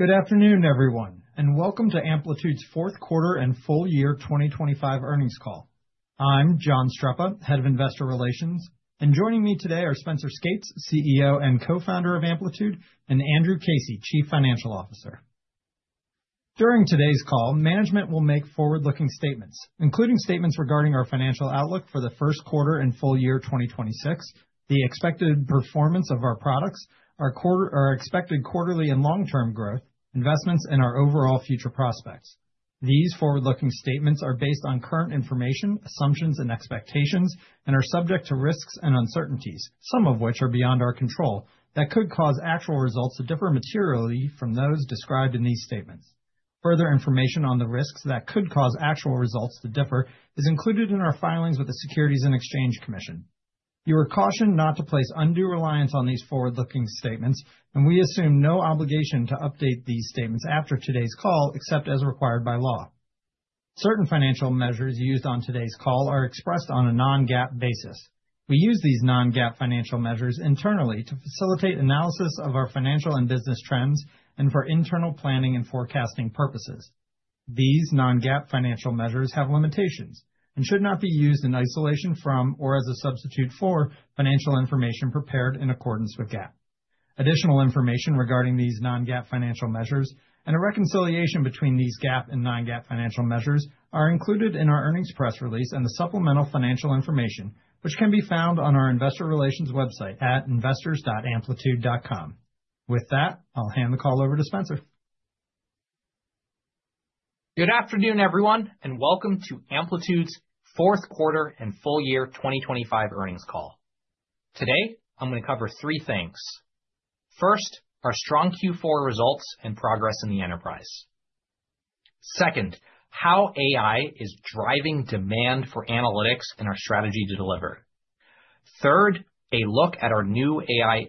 Good afternoon, everyone, and welcome to Amplitude's Fourth Quarter and Full Year 2025 Earnings Call. I'm John Streppa, Head of Investor Relations, and joining me today are Spenser Skates, CEO and Co-founder of Amplitude, and Andrew Casey, Chief Financial Officer. During today's call, management will make forward-looking statements, including statements regarding our financial outlook for the first quarter and full year 2026, the expected performance of our products, our expected quarterly and long-term growth, investments, and our overall future prospects. These forward-looking statements are based on current information, assumptions, and expectations and are subject to risks and uncertainties, some of which are beyond our control, that could cause actual results to differ materially from those described in these statements. Further information on the risks that could cause actual results to differ is included in our filings with the Securities and Exchange Commission. You are cautioned not to place undue reliance on these forward-looking statements, and we assume no obligation to update these statements after today's call, except as required by law. Certain financial measures used on today's call are expressed on a non-GAAP basis. We use these non-GAAP financial measures internally to facilitate analysis of our financial and business trends and for internal planning and forecasting purposes. These non-GAAP financial measures have limitations and should not be used in isolation from, or as a substitute for, financial information prepared in accordance with GAAP. Additional information regarding these non-GAAP financial measures and a reconciliation between these GAAP and non-GAAP financial measures are included in our earnings press release and the supplemental financial information, which can be found on our investor relations website at investors.amplitude.com. With that, I'll hand the call over to Spenser. Good afternoon, everyone, and welcome to Amplitude's Fourth Quarter and Full Year 2025 Earnings Call. Today, I'm going to cover three things. First, our strong Q4 results and progress in the enterprise. Second, how AI is driving demand for analytics and our strategy to deliver. Third, a look at our new AI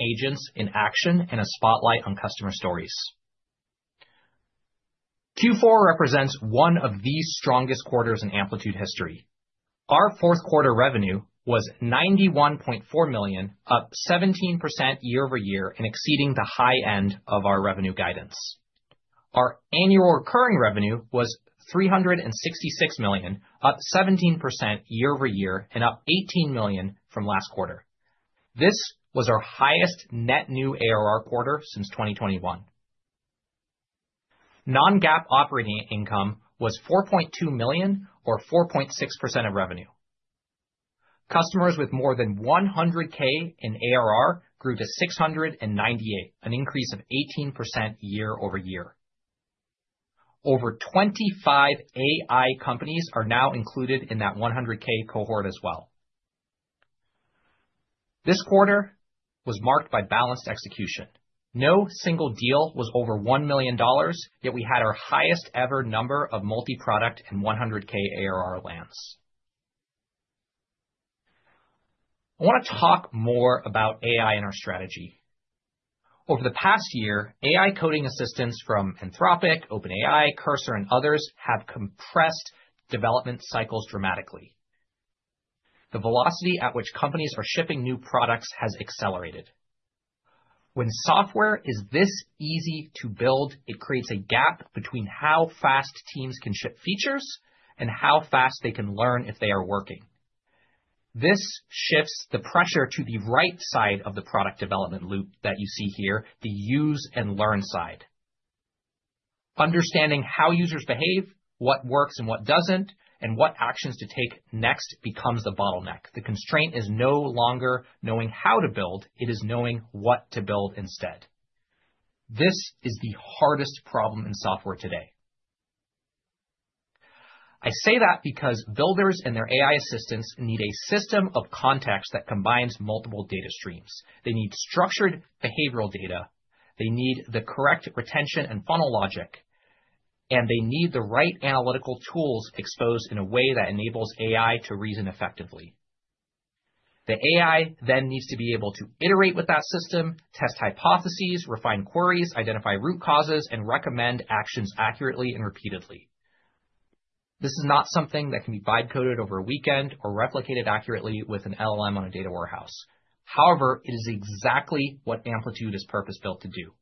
agents in action and a spotlight on customer stories. Q4 represents one of the strongest quarters in Amplitude history. Our fourth quarter revenue was $91.4 million, up 17% year-over-year, and exceeding the high end of our revenue guidance. Our annual recurring revenue was $366 million, up 17% year-over-year and up $18 million from last quarter. This was our highest net new ARR quarter since 2021. Non-GAAP operating income was $4.2 million, or 4.6% of revenue. Customers with more than 100K in ARR grew to 698, an increase of 18% year-over-year. Over 25 AI companies are now included in that 100K cohort as well. This quarter was marked by balanced execution. No single deal was over $1 million, yet we had our highest ever number of multi-product and 100K ARR lands. I want to talk more about AI and our strategy. Over the past year, AI coding assistants from Anthropic, OpenAI, Cursor, and others have compressed development cycles dramatically. The velocity at which companies are shipping new products has accelerated. When software is this easy to build, it creates a gap between how fast teams can ship features and how fast they can learn if they are working. This shifts the pressure to the right side of the product development loop that you see here, the use and learn side. Understanding how users behave, what works and what doesn't, and what actions to take next, becomes the bottleneck. The constraint is no longer knowing how to build, it is knowing what to build instead. This is the hardest problem in software today. I say that because builders and their AI assistants need a system of context that combines multiple data streams. They need structured behavioral data, they need the correct retention and funnel logic, and they need the right analytical tools exposed in a way that enables AI to reason effectively. The AI then needs to be able to iterate with that system, test hypotheses, refine queries, identify root causes, and recommend actions accurately and repeatedly. This is not something that can be vibe coded over a weekend or replicated accurately with an LLM on a data warehouse. However, it is exactly what Amplitude is purpose-built to do.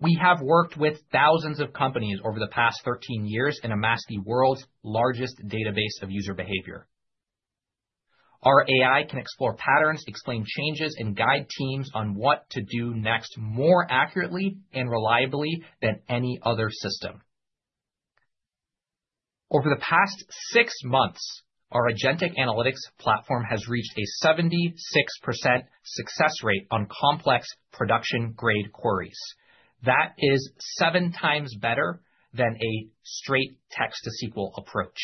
We have worked with thousands of companies over the past 13 years and amassed the world's largest database of user behavior. Our AI can explore patterns, explain changes, and guide teams on what to do next, more accurately and reliably than any other system. Over the past six months, our agentic analytics platform has reached a 76% success rate on complex production-grade queries. That is seven times better than a straight text-to-SQLapproach.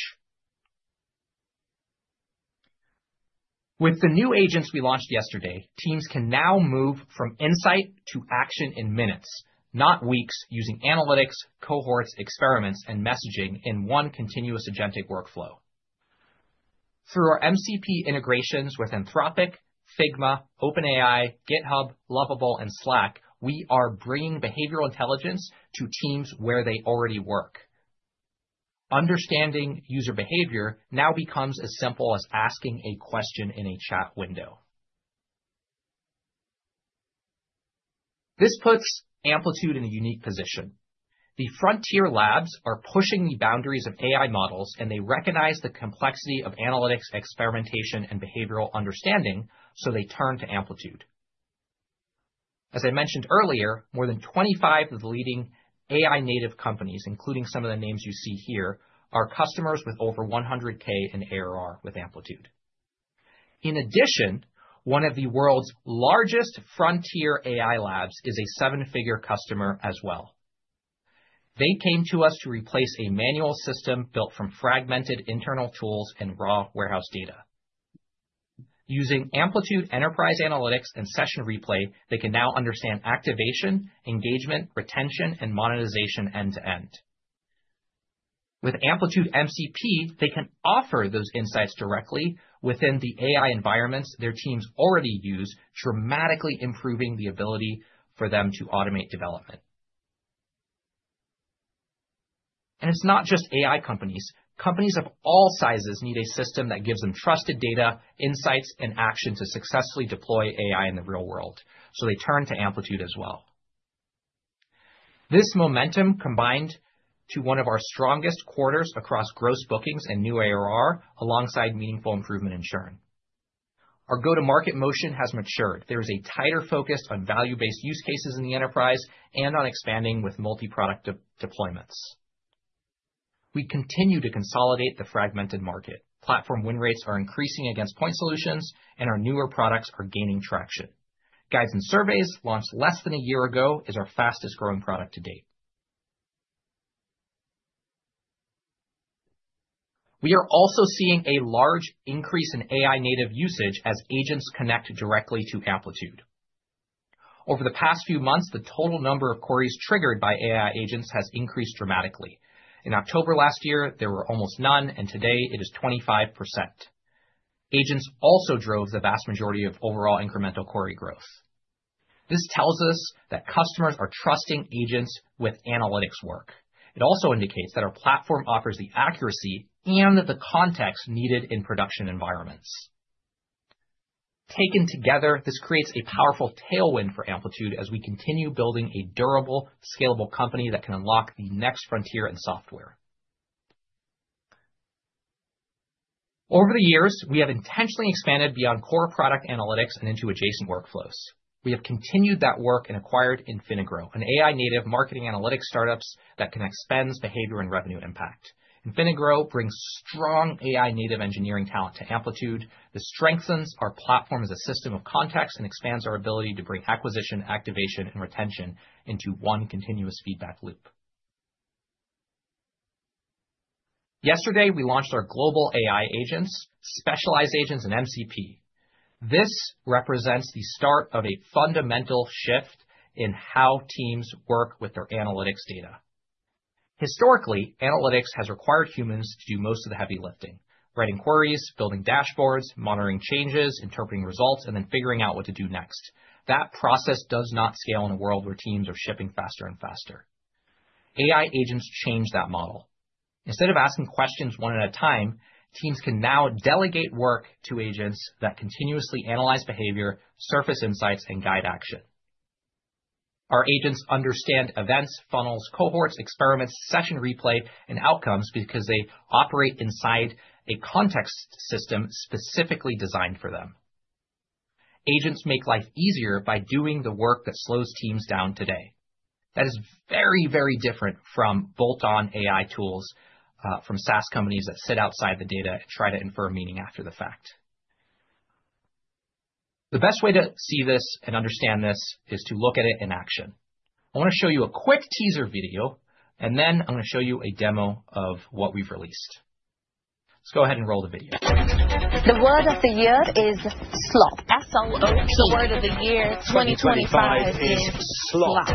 With the new agents we launched yesterday, teams can now move from insight to action in minutes, not weeks, using analytics, cohorts, experiments, and messaging in one continuous agentic workflow. Through our MCP integrations with Anthropic, Figma, OpenAI, GitHub, Lovable, and Slack, we are bringing behavioral intelligence to teams where they already work. Understanding user behavior now becomes as simple as asking a question in a chat window. This puts Amplitude in a unique position. The frontier labs are pushing the boundaries of AI models, and they recognize the complexity of analytics, experimentation, and behavioral understanding, so they turn to Amplitude. As I mentioned earlier, more than 25 of the leading AI native companies, including some of the names you see here, are customers with over $100K in ARR with Amplitude. In addition, one of the world's largest frontier AI labs is a seven-figure customer as well. They came to us to replace a manual system built from fragmented internal tools and raw warehouse data. Using Amplitude enterprise analytics and Session Replay, they can now understand activation, engagement, retention, and monetization end to end. With Amplitude MCP, they can offer those insights directly within the AI environments their teams already use, dramatically improving the ability for them to automate development. It's not just AI companies. Companies of all sizes need a system that gives them trusted data, insights, and action to successfully deploy AI in the real world, so they turn to Amplitude as well. This momentum combined to one of our strongest quarters across gross bookings and new ARR, alongside meaningful improvement in churn. Our go-to-market motion has matured. There is a tighter focus on value-based use cases in the enterprise and on expanding with multi-product deployments. We continue to consolidate the fragmented market. Platform win rates are increasing against point solutions, and our newer products are gaining traction. Guides and Surveys, launched less than a year ago, is our fastest growing product to date. We are also seeing a large increase in AI-native usage as agents connect directly to Amplitude. Over the past few months, the total number of queries triggered by AI agents has increased dramatically. In October last year, there were almost none, and today it is 25%. Agents also drove the vast majority of overall incremental query growth. This tells us that customers are trusting agents with analytics work. It also indicates that our platform offers the accuracy and the context needed in production environments. Taken together, this creates a powerful tailwind for Amplitude as we continue building a durable, scalable company that can unlock the next frontier in software. Over the years, we have intentionally expanded beyond core product analytics and into adjacent workflows. We have continued that work and acquired InfiniGrow, an AI-native marketing analytics startup that connects spend, behavior, and revenue impact. InfiniGrow brings strong AI-native engineering talent to Amplitude. This strengthens our platform as a system of context and expands our ability to bring acquisition, activation, and retention into one continuous feedback loop. Yesterday, we launched our global AI agents, specialized agents, and MCP. This represents the start of a fundamental shift in how teams work with their analytics data. Historically, analytics has required humans to do most of the heavy lifting, writing queries, building dashboards, monitoring changes, interpreting results, and then figuring out what to do next. That process does not scale in a world where teams are shipping faster and faster. AI agents change that model. Instead of asking questions one at a time, teams can now delegate work to agents that continuously analyze behavior, surface insights, and guide action. Our agents understand events, funnels, cohorts, experiments, Session Replay, and outcomes because they operate inside a context system specifically designed for them. Agents make life easier by doing the work that slows teams down today. That is very, very different from bolt-on AI tools from SaaS companies that sit outside the data and try to infer meaning after the fact. The best way to see this and understand this is to look at it in action. I want to show you a quick teaser video, and then I'm going to show you a demo of what we've released. Let's go ahead and roll the video. The word of the year is slop. S-L-O-P. The word of the year, 2025, is slop.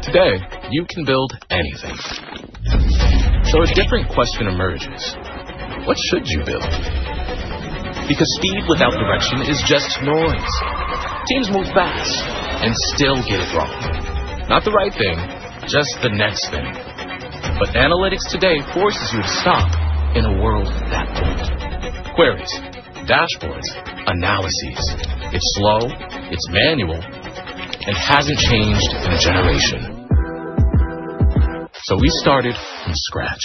Today, you can build anything. So a different question emerges: What should you build? Because speed without direction is just noise. Teams move fast and still get it wrong. Not the right thing, just the next thing. But analytics today forces you to stop in a world that moves. Queries, dashboards, analyses. It's slow, it's manual, and hasn't changed in a generation. So we started from scratch.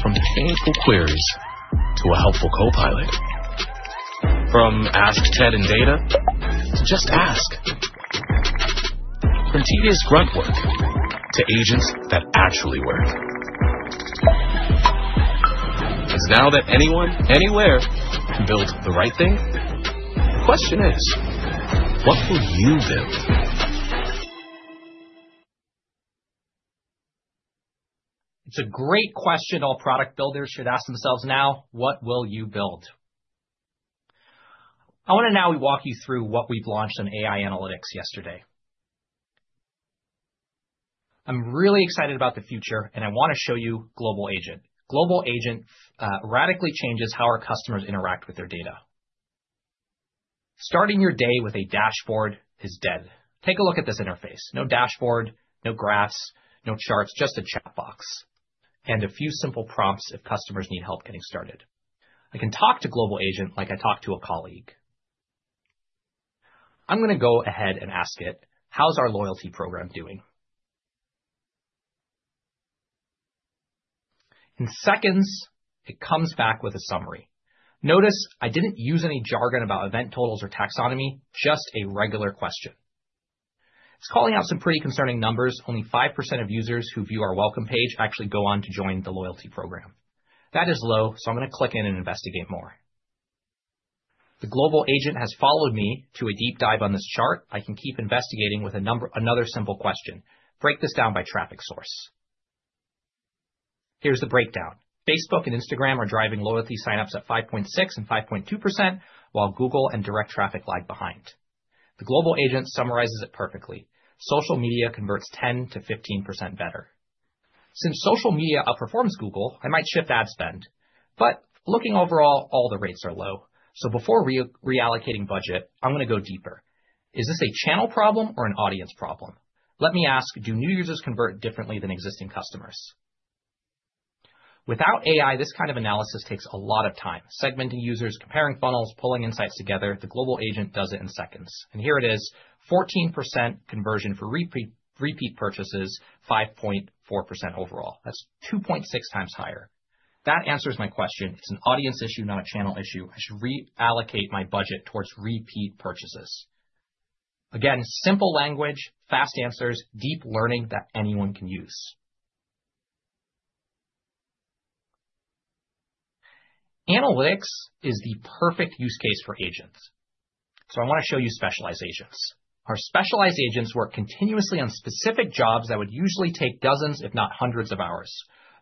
From painful queries to a helpful copilot, from ask Ted in data, to just ask. From tedious grunt work to agents that actually work. Because now that anyone, anywhere, can build the right thing, the question is: What will you build? It's a great question all product builders should ask themselves now, "What will you build?" I want to now walk you through what we've launched on AI analytics yesterday. I'm really excited about the future, and I want to show you Global Agent. Global Agent radically changes how our customers interact with their data. Starting your day with a dashboard is dead. Take a look at this interface. No dashboard, no graphs, no charts, just a chat box, and a few simple prompts if customers need help getting started. I can talk to Global Agent like I talk to a colleague. I'm going to go ahead and ask it: How's our loyalty program doing? In seconds, it comes back with a summary. Notice I didn't use any jargon about event totals or taxonomy, just a regular question. It's calling out some pretty concerning numbers. Only 5% of users who view our welcome page actually go on to join the loyalty program. That is low, so I'm going to click in and investigate more. The Global Agent has followed me to a deep dive on this chart. I can keep investigating with a number, another simple question. Break this down by traffic source. Here's the breakdown. Facebook and Instagram are driving loyalty sign-ups at 5.6% and 5.2%, while Google and direct traffic lag behind. The Global Agent summarizes it perfectly. Social media converts 10%-15% better. Since social media outperforms Google, I might shift ad spend, but looking overall, all the rates are low. So before re-reallocating budget, I'm going to go deeper. Is this a channel problem or an audience problem? Let me ask, do new users convert differently than existing customers? Without AI, this kind of analysis takes a lot of time. Segmenting users, comparing funnels, pulling insights together. The Global Agent does it in seconds, and here it is. 14% conversion for repeat, repeat purchases, 5.4% overall. That's 2.6 times higher. That answers my question. It's an audience issue, not a channel issue. I should reallocate my budget towards repeat purchases. Again, simple language, fast answers, deep learning that anyone can use. Analytics is the perfect use case for agents, so I want to show you specialized agents. Our specialized agents work continuously on specific jobs that would usually take dozens, if not hundreds, of hours.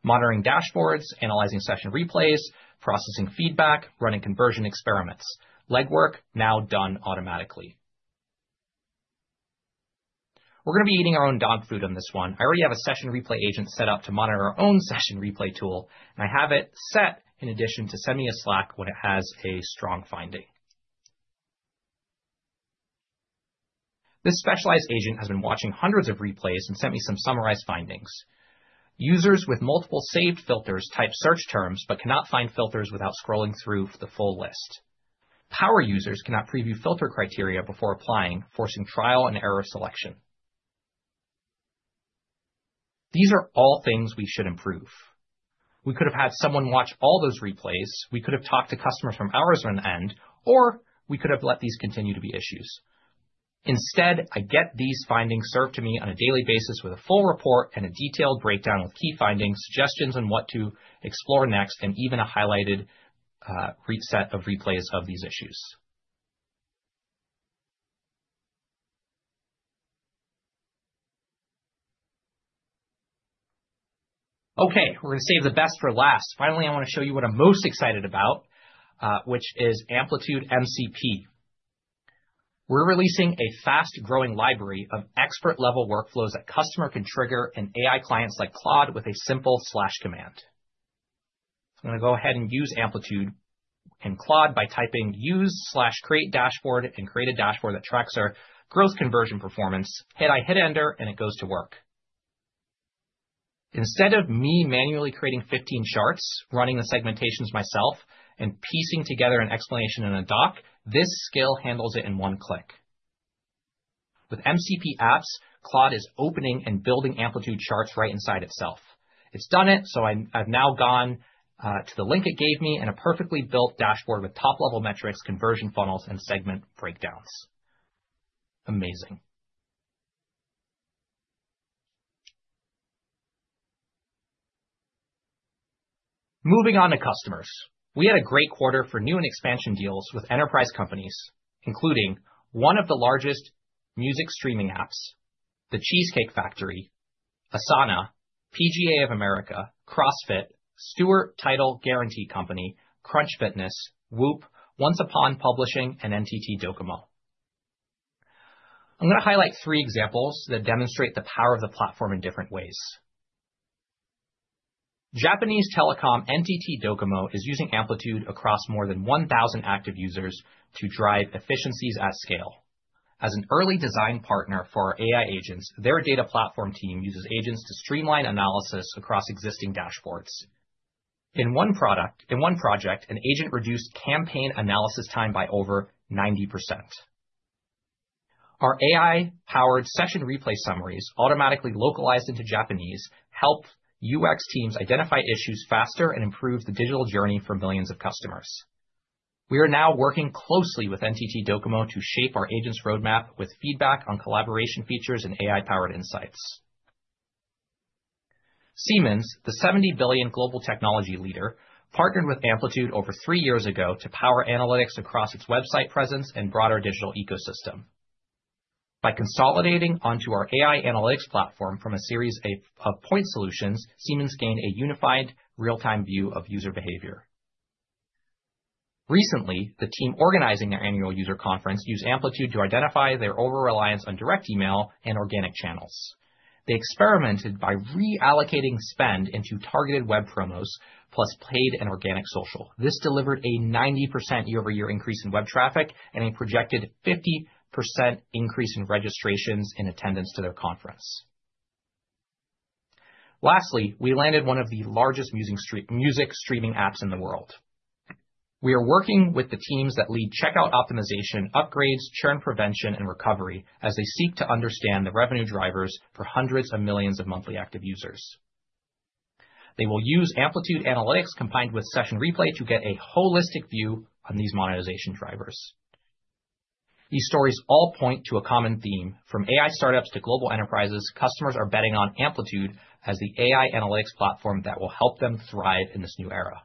Monitoring dashboards, analyzing Session Replays, processing feedback, running conversion experiments. Legwork now done automatically. We're going to be eating our own dog food on this one. I already have a Session Replay agent set up to monitor our own Session Replay tool, and I have it set in addition to send me a Slack when it has a strong finding. This specialized agent has been watching hundreds of replays and sent me some summarized findings. Users with multiple saved filters type search terms, but cannot find filters without scrolling through for the full list. Power users cannot preview filter criteria before applying, forcing trial-and-error selection. These are all things we should improve. We could have had someone watch all those replays. We could have talked to customers for hours on end, or we could have let these continue to be issues. Instead, I get these findings served to me on a daily basis with a full report and a detailed breakdown with key findings, suggestions on what to explore next, and even a highlighted reset of replays of these issues. Okay, we're going to save the best for last. Finally, I want to show you what I'm most excited about, which is Amplitude MCP. We're releasing a fast-growing library of expert-level workflows that customer can trigger in AI clients like Claude with a simple slash command. I'm going to go ahead and use Amplitude and Claude by typing, use slash create dashboard, and create a dashboard that tracks our gross conversion performance. And I hit Enter, and it goes to work. Instead of me manually creating 15 charts, running the segmentations myself, and piecing together an explanation in a doc, this skill handles it in one click. With MCP apps, Claude is opening and building Amplitude charts right inside itself. It's done it, so I'm, I've now gone to the link it gave me and a perfectly built dashboard with top-level metrics, conversion funnels, and segment breakdowns. Amazing! Moving on to customers. We had a great quarter for new and expansion deals with enterprise companies, including one of the largest music streaming apps, The Cheesecake Factory, Asana, PGA of America, CrossFit, Stewart Title Guaranty Company, Crunch Fitness, Whoop, Once Upon Publishing, and NTT Docomo. I'm going to highlight three examples that demonstrate the power of the platform in different ways. Japanese telecom, NTT Docomo, is using Amplitude across more than 1,000 active users to drive efficiencies at scale. As an early design partner for our AI agents, their data platform team uses agents to streamline analysis across existing dashboards. In one project, an agent reduced campaign analysis time by over 90%. Our AI-powered Session Replay summaries, automatically localized into Japanese, helped UX teams identify issues faster and improve the digital journey for millions of customers. We are now working closely with NTT Docomo to shape our agents' roadmap with feedback on collaboration features and AI-powered insights. Siemens, the $70 billion global technology leader, partnered with Amplitude over three years ago to power analytics across its website presence and broader digital ecosystem. By consolidating onto our AI analytics platform from a series of point solutions, Siemens gained a unified, real-time view of user behavior. Recently, the team organizing their annual user conference used Amplitude to identify their overreliance on direct email and organic channels. They experimented by reallocating spend into targeted web promos, plus paid and organic social. This delivered a 90% year-over-year increase in web traffic and a projected 50% increase in registrations in attendance to their conference. Lastly, we landed one of the largest music streaming apps in the world. We are working with the teams that lead checkout optimization, upgrades, churn prevention, and recovery as they seek to understand the revenue drivers for hundreds of millions of monthly active users. They will use Amplitude Analytics combined with Session Replay to get a holistic view on these monetization drivers. These stories all point to a common theme. From AI startups to global enterprises, customers are betting on Amplitude as the AI analytics platform that will help them thrive in this new era.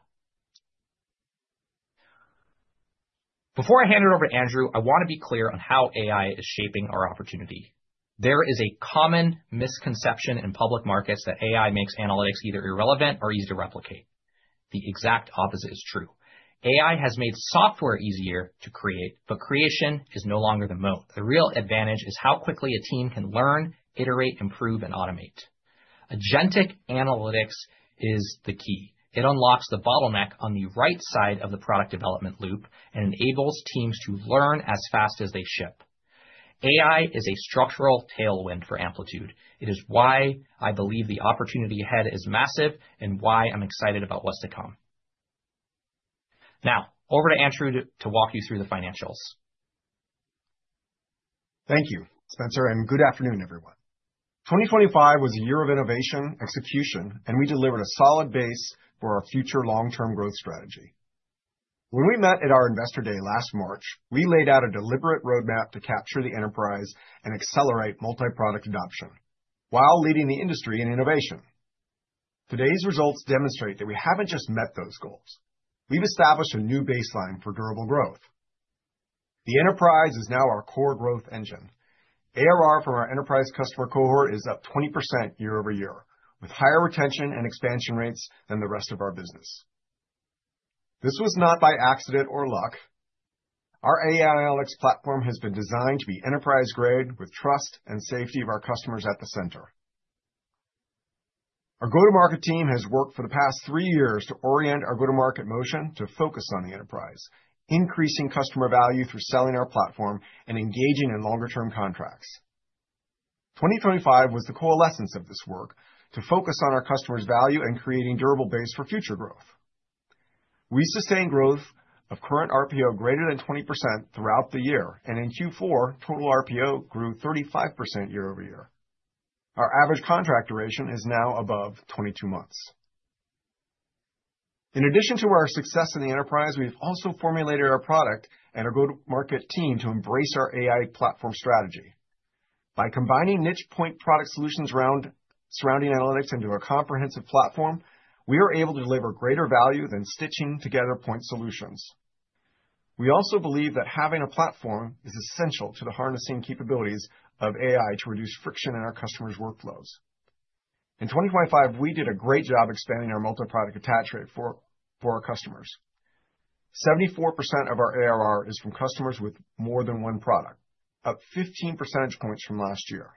Before I hand it over to Andrew, I want to be clear on how AI is shaping our opportunity. There is a common misconception in public markets that AI makes analytics either irrelevant or easy to replicate. The exact opposite is true. AI has made software easier to create, but creation is no longer the moat. The real advantage is how quickly a team can learn, iterate, improve, and automate. Agentic analytics is the key. It unlocks the bottleneck on the right side of the product development loop and enables teams to learn as fast as they ship. AI is a structural tailwind for Amplitude. It is why I believe the opportunity ahead is massive and why I'm excited about what's to come. Now, over to Andrew to walk you through the financials. Thank you, Spenser, and good afternoon, everyone. 2025 was a year of innovation, execution, and we delivered a solid base for our future long-term growth strategy. When we met at our Investor Day last March, we laid out a deliberate roadmap to capture the enterprise and accelerate multi-product adoption while leading the industry in innovation. Today's results demonstrate that we haven't just met those goals. We've established a new baseline for durable growth. The enterprise is now our core growth engine. ARR for our enterprise customer cohort is up 20% year-over-year, with higher retention and expansion rates than the rest of our business. This was not by accident or luck. Our AI analytics platform has been designed to be enterprise-grade, with trust and safety of our customers at the center. Our go-to-market team has worked for the past three years to orient our go-to-market motion to focus on the enterprise, increasing customer value through selling our platform and engaging in longer-term contracts. 2025 was the coalescence of this work to focus on our customers' value and creating durable base for future growth. We sustained growth of current RPO greater than 20% throughout the year, and in Q4, total RPO grew 35% year-over-year. Our average contract duration is now above 22 months. In addition to our success in the enterprise, we've also formulated our product and our go-to-market team to embrace our AI platform strategy. By combining niche point product solutions surrounding analytics into our comprehensive platform, we are able to deliver greater value than stitching together point solutions. We also believe that having a platform is essential to the harnessing capabilities of AI to reduce friction in our customers' workflows. In 2025, we did a great job expanding our multi-product attach rate for our customers. 74% of our ARR is from customers with more than one product, up 15 percentage points from last year.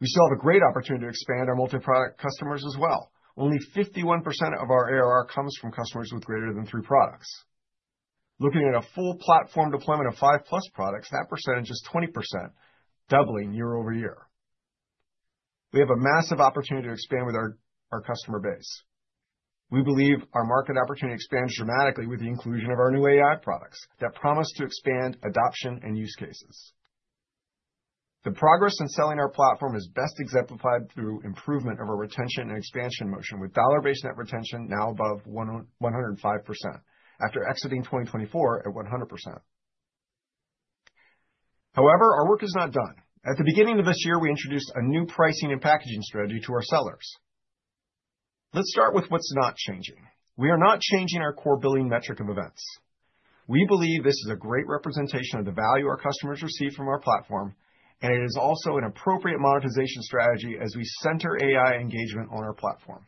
We still have a great opportunity to expand our multi-product customers as well. Only 51% of our ARR comes from customers with greater than three products. Looking at a full platform deployment of 5+ products, that percentage is 20%, doubling year-over-year. We have a massive opportunity to expand with our customer base. We believe our market opportunity expands dramatically with the inclusion of our new AI products that promise to expand adoption and use cases. The progress in selling our platform is best exemplified through improvement of our retention and expansion motion, with Dollar-Based Net Retention now above 105% after exiting 2024 at 100%. However, our work is not done. At the beginning of this year, we introduced a new pricing and packaging strategy to our sellers. Let's start with what's not changing. We are not changing our core billing metric of events. We believe this is a great representation of the value our customers receive from our platform, and it is also an appropriate monetization strategy as we center AI engagement on our platform.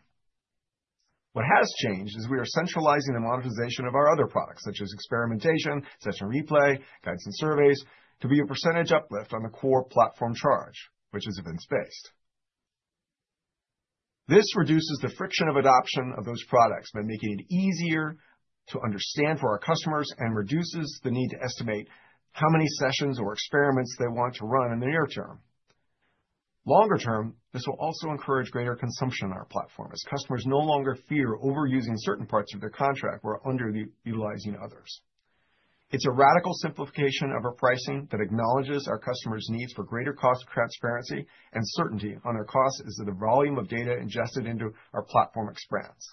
What has changed is we are centralizing the monetization of our other products, such as Experiment, Session Replay, Guides and Surveys, to be a percentage uplift on the core platform charge, which is events-based. This reduces the friction of adoption of those products by making it easier to understand for our customers and reduces the need to estimate how many sessions or experiments they want to run in the near term. Longer term, this will also encourage greater consumption on our platform, as customers no longer fear overusing certain parts of their contract or under-utilizing others. It's a radical simplification of our pricing that acknowledges our customers' needs for greater cost transparency and certainty on their costs as the volume of data ingested into our platform expands.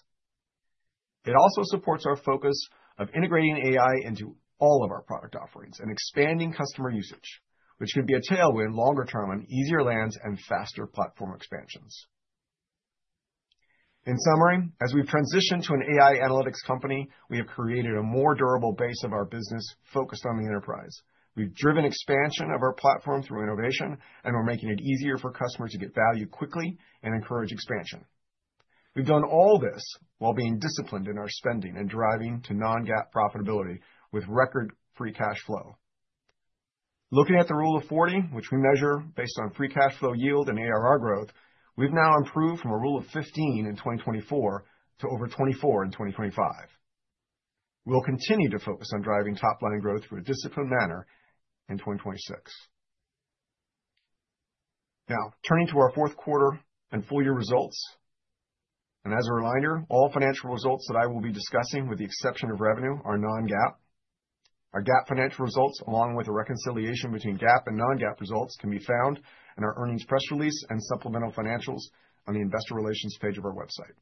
It also supports our focus of integrating AI into all of our product offerings and expanding customer usage, which could be a tailwind longer term on easier lands and faster platform expansions. In summary, as we transition to an AI analytics company, we have created a more durable base of our business focused on the enterprise. We've driven expansion of our platform through innovation, and we're making it easier for customers to get value quickly and encourage expansion. We've done all this while being disciplined in our spending and driving to non-GAAP profitability with record free cash flow. Looking at the Rule of 40, which we measure based on free cash flow yield and ARR growth, we've now improved from a Rule of 15 in 2024 to over 24 in 2025. We'll continue to focus on driving top line growth in a disciplined manner in 2026. Now, turning to our fourth quarter and full year results, and as a reminder, all financial results that I will be discussing, with the exception of revenue, are non-GAAP. Our GAAP financial results, along with a reconciliation between GAAP and non-GAAP results, can be found in our earnings press release and supplemental financials on the investor relations page of our website.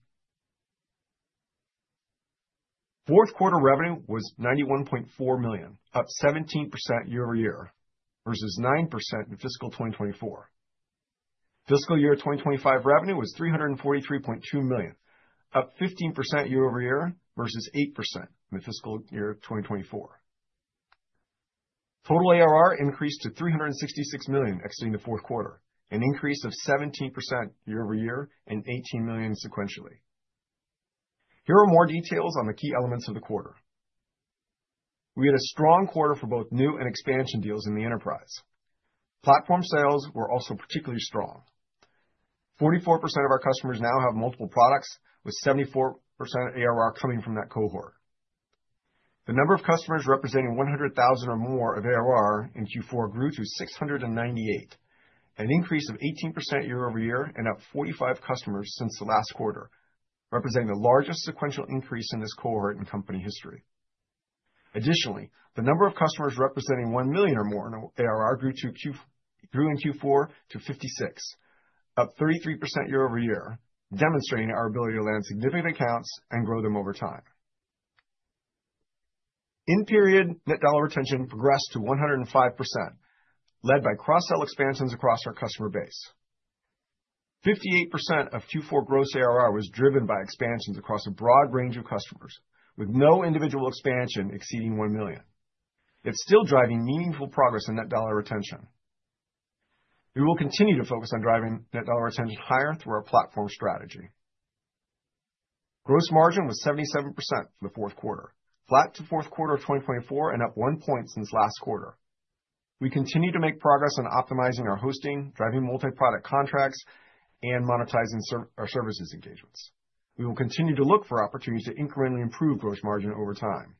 Fourth quarter revenue was $91.4 million, up 17% year-over-year, versus 9% in fiscal 2024. Fiscal year 2025 revenue was $343.2 million, up 15% year-over-year, versus 8% in fiscal 2024. Total ARR increased to $366 million exiting the fourth quarter, an increase of 17% year-over-year and $18 million sequentially. Here are more details on the key elements of the quarter. We had a strong quarter for both new and expansion deals in the enterprise. Platform sales were also particularly strong. 44% of our customers now have multiple products, with 74% of ARR coming from that cohort. The number of customers representing $100,000 or more of ARR in Q4 grew to 698, an increase of 18% year-over-year and up 45 customers since the last quarter, representing the largest sequential increase in this cohort in company history. Additionally, the number of customers representing $1 million or more in ARR grew in Q4 to 56, up 33% year-over-year, demonstrating our ability to land significant accounts and grow them over time. In period, net dollar retention progressed to 105%, led by cross-sell expansions across our customer base. 58% of Q4 gross ARR was driven by expansions across a broad range of customers, with no individual expansion exceeding $1 million. It's still driving meaningful progress in net dollar retention. We will continue to focus on driving net dollar retention higher through our platform strategy. Gross margin was 77% for the fourth quarter, flat to fourth quarter of 2024 and up one point since last quarter. We continue to make progress on optimizing our hosting, driving multi-product contracts, and monetizing our services engagements. We will continue to look for opportunities to incrementally improve gross margin over time.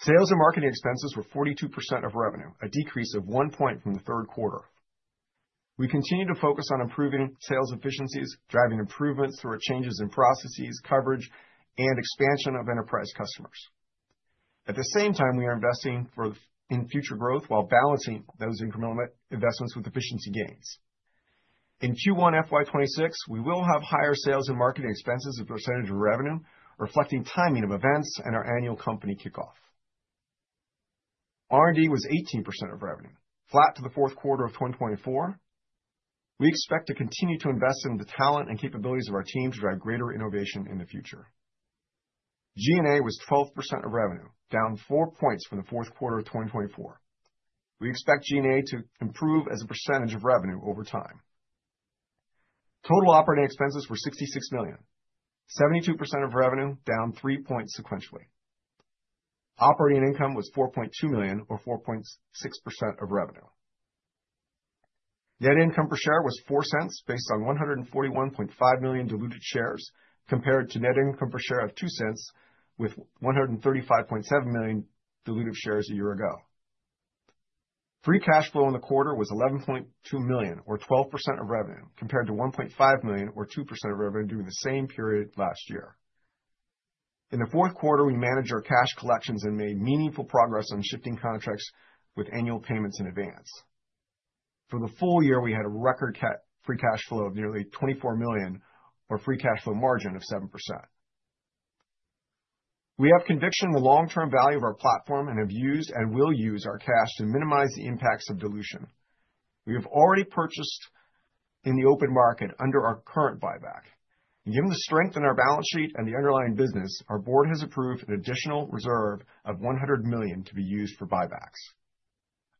Sales and marketing expenses were 42% of revenue, a decrease of one point from the third quarter. We continue to focus on improving sales efficiencies, driving improvements through our changes in processes, coverage, and expansion of enterprise customers. At the same time, we are investing in future growth while balancing those incremental investments with efficiency gains. In Q1 FY 2026, we will have higher sales and marketing expenses as a percentage of revenue, reflecting timing of events and our annual company kickoff. R&D was 18% of revenue, flat to the fourth quarter of 2024. We expect to continue to invest in the talent and capabilities of our team to drive greater innovation in the future. G&A was 12% of revenue, down four points from the fourth quarter of 2024. We expect G&A to improve as a percentage of revenue over time. Total operating expenses were $66 million, 72% of revenue, down three points sequentially. Operating income was $4.2 million, or 4.6% of revenue. Net income per share was $0.04, based on 141.5 million diluted shares, compared to net income per share of $0.02, with 135.7 million diluted shares a year ago. Free cash flow in the quarter was $11.2 million, or 12% of revenue, compared to $1.5 million, or 2% of revenue, during the same period last year. In the fourth quarter, we managed our cash collections and made meaningful progress on shifting contracts with annual payments in advance. For the full year, we had a record free cash flow of nearly $24 million, or free cash flow margin of 7%. We have conviction in the long-term value of our platform and have used and will use our cash to minimize the impacts of dilution. We have already purchased in the open market under our current buyback, and given the strength in our balance sheet and the underlying business, our board has approved an additional reserve of $100 million to be used for buybacks.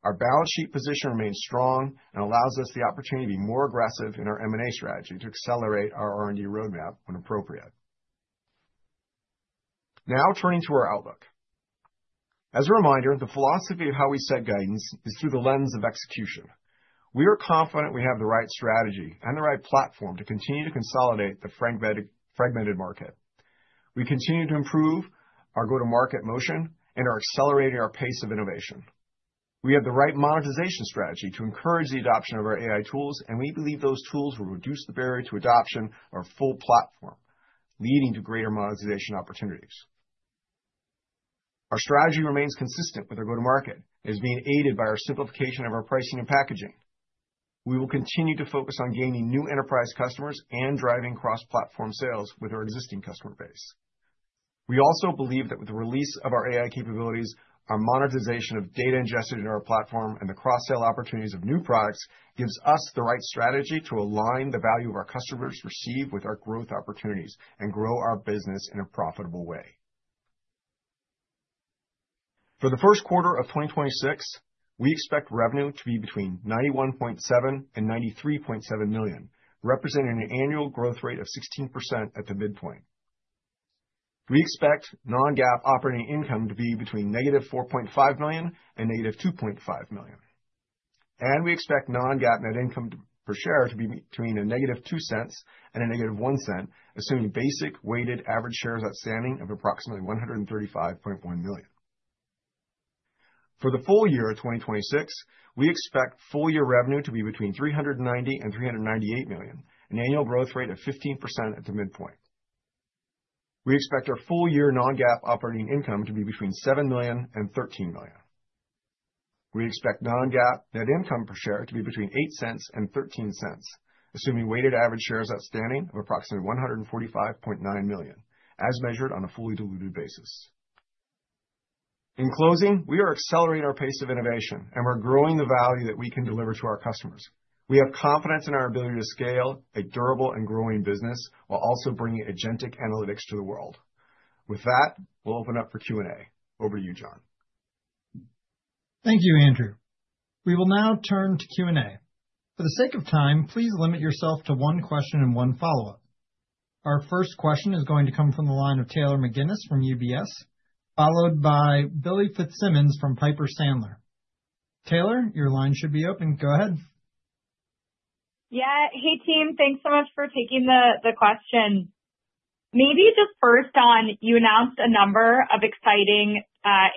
Our balance sheet position remains strong and allows us the opportunity to be more aggressive in our M&A strategy to accelerate our R&D roadmap when appropriate. Now, turning to our outlook. As a reminder, the philosophy of how we set guidance is through the lens of execution. We are confident we have the right strategy and the right platform to continue to consolidate the fragmented market. We continue to improve our go-to-market motion and are accelerating our pace of innovation. We have the right monetization strategy to encourage the adoption of our AI tools, and we believe those tools will reduce the barrier to adoption of our full platform, leading to greater monetization opportunities. Our strategy remains consistent with our go-to-market, and is being aided by our simplification of our pricing and packaging. We will continue to focus on gaining new enterprise customers and driving cross-platform sales with our existing customer base. We also believe that with the release of our AI capabilities, our monetization of data ingested in our platform, and the cross-sell opportunities of new products, gives us the right strategy to align the value of our customers receive with our growth opportunities and grow our business in a profitable way. For the first quarter of 2026, we expect revenue to be between $91.7 million to $93.7 million, representing an annual growth rate of 16% at the midpoint. We expect non-GAAP operating income to be between -$4.5 million and -$2.5 million, and we expect non-GAAP net income per share to be between $ -2 and $ -1, assuming basic weighted average shares outstanding of approximately 135.1 million. For the full year of 2026, we expect full year revenue to be between $390 million and $398 million, an annual growth rate of 15% at the midpoint. We expect our full year non-GAAP operating income to be between $7 million and $13 million. We expect non-GAAP net income per share to be between $0.08 and $0.13, assuming weighted average shares outstanding of approximately 145.9 million, as measured on a fully diluted basis. In closing, we are accelerating our pace of innovation, and we're growing the value that we can deliver to our customers. We have confidence in our ability to scale a durable and growing business while also bringing agentic analytics to the world. With that, we'll open up for Q&A. Over to you, John. Thank you, Andrew. We will now turn to Q&A. For the sake of time, please limit yourself to one question and one follow-up. Our first question is going to come from the line of Taylor McGinnis from UBS, followed by Billy Fitzsimmons from Piper Sandler. Taylor, your line should be open. Go ahead. Yeah. Hey, team, thanks so much for taking the question. Maybe just first on, you announced a number of exciting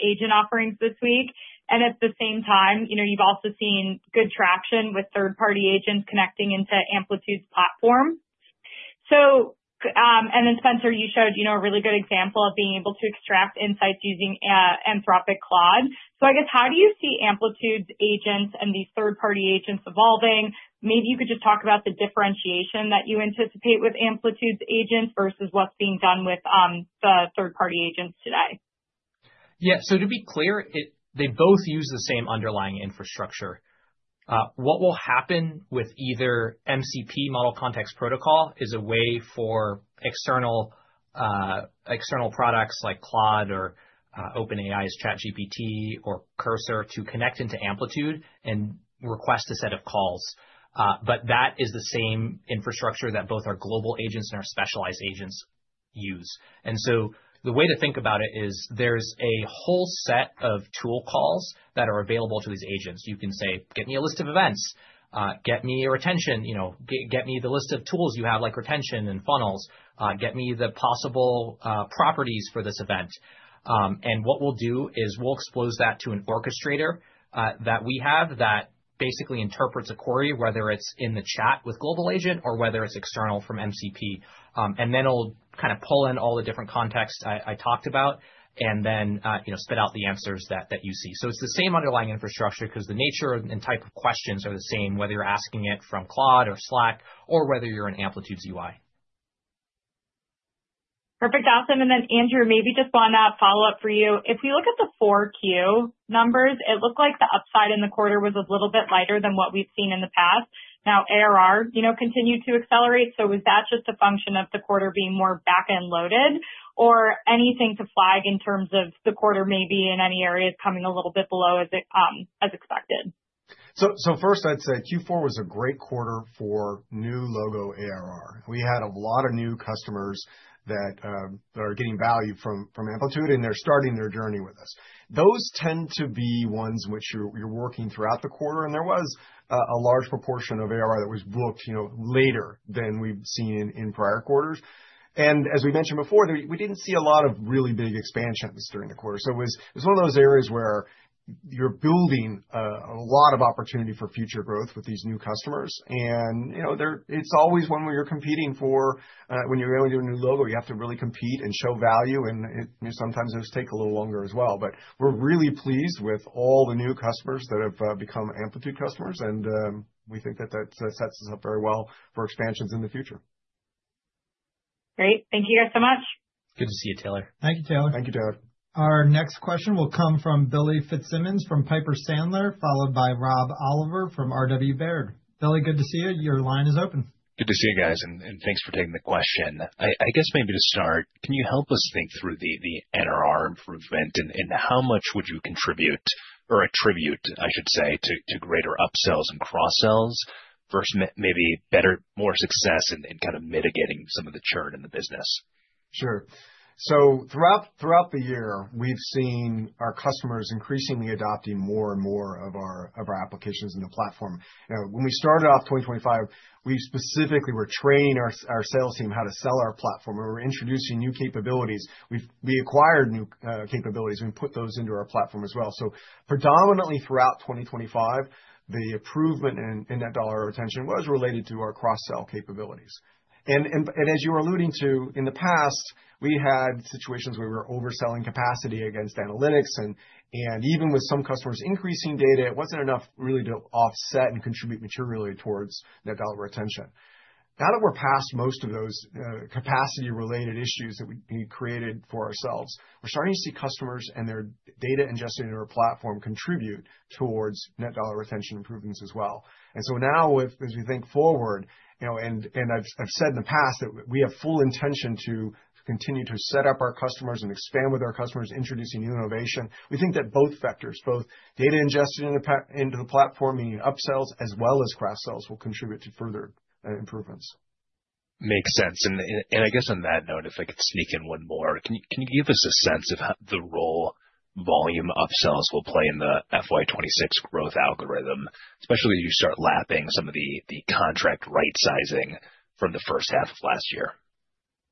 agent offerings this week, and at the same time, you know, you've also seen good traction with third-party agents connecting into Amplitude's platform. So, and then, Spenser, you showed, you know, a really good example of being able to extract insights using Anthropic Claude. So I guess, how do you see Amplitude's agents and these third-party agents evolving? Maybe you could just talk about the differentiation that you anticipate with Amplitude's agents versus what's being done with the third-party agents today. Yeah. To be clear, they both use the same underlying infrastructure. What will happen with either MCP, Model Context Protocol, is a way for external products like Claude or OpenAI's ChatGPT or Cursor to connect into Amplitude and request a set of calls. That is the same infrastructure that both our global agents and our specialized agents use. The way to think about it is there's a whole set of tool calls that are available to these agents. You can say, "Get me a list of events. Get me a retention. You know, get me the list of tools you have, like retention and funnels. Get me the possible properties for this event." And what we'll do is we'll expose that to an orchestrator that we have that basically interprets a query, whether it's in the chat with Global Agent or whether it's external from MCP. And then it'll kind of pull in all the different contexts I talked about, and then you know, spit out the answers that you see. So it's the same underlying infrastructure because the nature and type of questions are the same, whether you're asking it from Claude or Slack or whether you're in Amplitude's UI. Perfect. Awesome. Then, Andrew, maybe just one follow-up for you. If we look at the 4Q numbers, it looked like the upside in the quarter was a little bit lighter than what we've seen in the past. Now, ARR, you know, continued to accelerate, so was that just a function of the quarter being more back-end loaded, or anything to flag in terms of the quarter maybe in any areas coming a little bit below as it, as expected? So first I'd say Q4 was a great quarter for new logo ARR. We had a lot of new customers that are getting value from Amplitude, and they're starting their journey with us. Those tend to be ones which you're working throughout the quarter, and there was a large proportion of ARR that was booked, you know, later than we've seen in prior quarters. And as we mentioned before, we didn't see a lot of really big expansions during the quarter. So it was. It's one of those areas where you're building a lot of opportunity for future growth with these new customers, and, you know, there it's always one where you're competing for when you're going to do a new logo. You have to really compete and show value, and it, you know, sometimes those take a little longer as well. But we're really pleased with all the new customers that have become Amplitude customers, and we think that that sets us up very well for expansions in the future. Great. Thank you guys so much. Good to see you, Taylor. Thank you, Taylor. Thank you, Taylor. Our next question will come from Billy Fitzsimmons from Piper Sandler, followed by Rob Oliver from RW Baird. Billy, good to see you. Your line is open. Good to see you guys, and thanks for taking the question. I guess maybe to start, can you help us think through the NRR improvement, and how much would you contribute or attribute, I should say, to greater upsells and cross-sells versus maybe better, more success in kind of mitigating some of the churn in the business? Sure. So throughout the year, we've seen our customers increasingly adopting more and more of our applications in the platform. You know, when we started off 2025, we specifically were training our sales team how to sell our platform. We were introducing new capabilities. We acquired new capabilities and put those into our platform as well. So predominantly throughout 2025, the improvement in that dollar retention was related to our cross-sell capabilities. And as you were alluding to, in the past, we had situations where we were overselling capacity against analytics, and even with some customers increasing data, it wasn't enough really to offset and contribute materially towards net dollar retention. Now that we're past most of those, capacity-related issues that we, we created for ourselves, we're starting to see customers and their data ingested into our platform contribute towards net dollar retention improvements as well. And so now as we think forward, you know, and, and I've, I've said in the past, that we have full intention to continue to set up our customers and expand with our customers, introducing new innovation, we think that both vectors, both data ingested into the platform, meaning upsells as well as cross-sells, will contribute to further, improvements. Makes sense. And I guess on that note, if I could sneak in one more, can you give us a sense of how the role volume upsells will play in the FY 2026 growth algorithm, especially as you start lapping some of the contract right sizing from the first half of last year?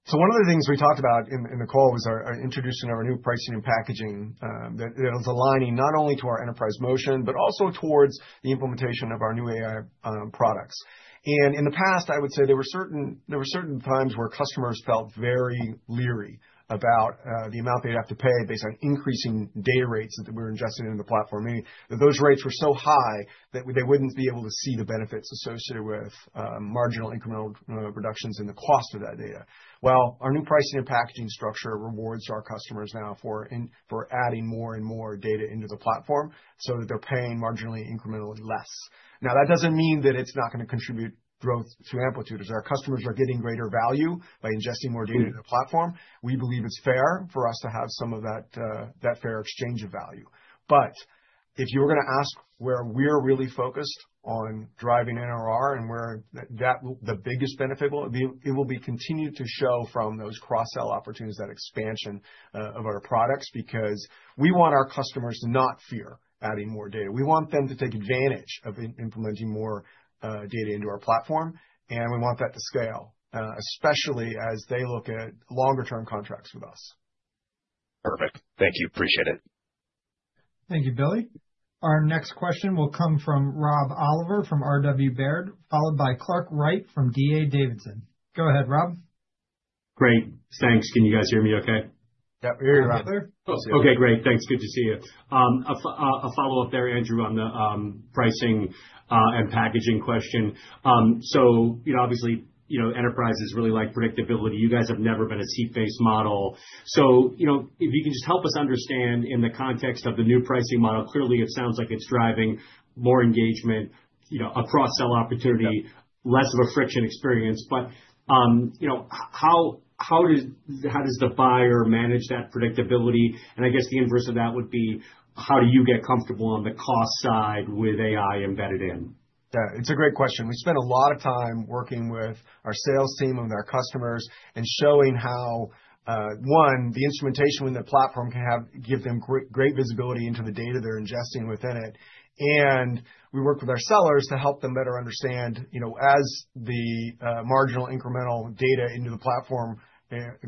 So one of the things we talked about in the call was our introducing our new pricing and packaging that was aligning not only to our enterprise motion, but also towards the implementation of our new AI products. In the past, I would say there were certain times where customers felt very leery about the amount they'd have to pay based on increasing data rates that we were ingesting into the platform, meaning that those rates were so high that they wouldn't be able to see the benefits associated with marginal incremental reductions in the cost of that data. Well, our new pricing and packaging structure rewards our customers now for adding more and more data into the platform so that they're paying marginally, incrementally less. Now, that doesn't mean that it's not gonna contribute growth to Amplitude. As our customers are getting greater value by ingesting more data into the platform, we believe it's fair for us to have some of that, that fair exchange of value. But if you were gonna ask where we're really focused on driving NRR and where that, the biggest benefit will be, it will be continued to show from those cross-sell opportunities, that expansion of our products, because we want our customers to not fear adding more data. We want them to take advantage of implementing more data into our platform, and we want that to scale, especially as they look at longer term contracts with us. Perfect. Thank you. Appreciate it. Thank you, Billy. Our next question will come from Rob Oliver from RW Baird, followed by Clark Wright from DA Davidson. Go ahead, Rob. Great. Thanks. Can you guys hear me okay? Yep, we hear you, Rob. Okay. Okay, great. Thanks. Good to see you. A follow-up there, Andrew, on the pricing and packaging question. So, you know, obviously, you know, enterprises really like predictability. You guys have never been a seat-based model. So, you know, if you can just help us understand in the context of the new pricing model, clearly it sounds like it's driving more engagement, you know, a cross-sell opportunity- Yep. less of a friction experience. But, you know, how does the buyer manage that predictability? And I guess the inverse of that would be, how do you get comfortable on the cost side with AI embedded in? Yeah, it's a great question. We spent a lot of time working with our sales team and our customers and showing how one, the instrumentation within the platform can give them great visibility into the data they're ingesting within it. And we worked with our sellers to help them better understand, you know, as the marginal incremental data into the platform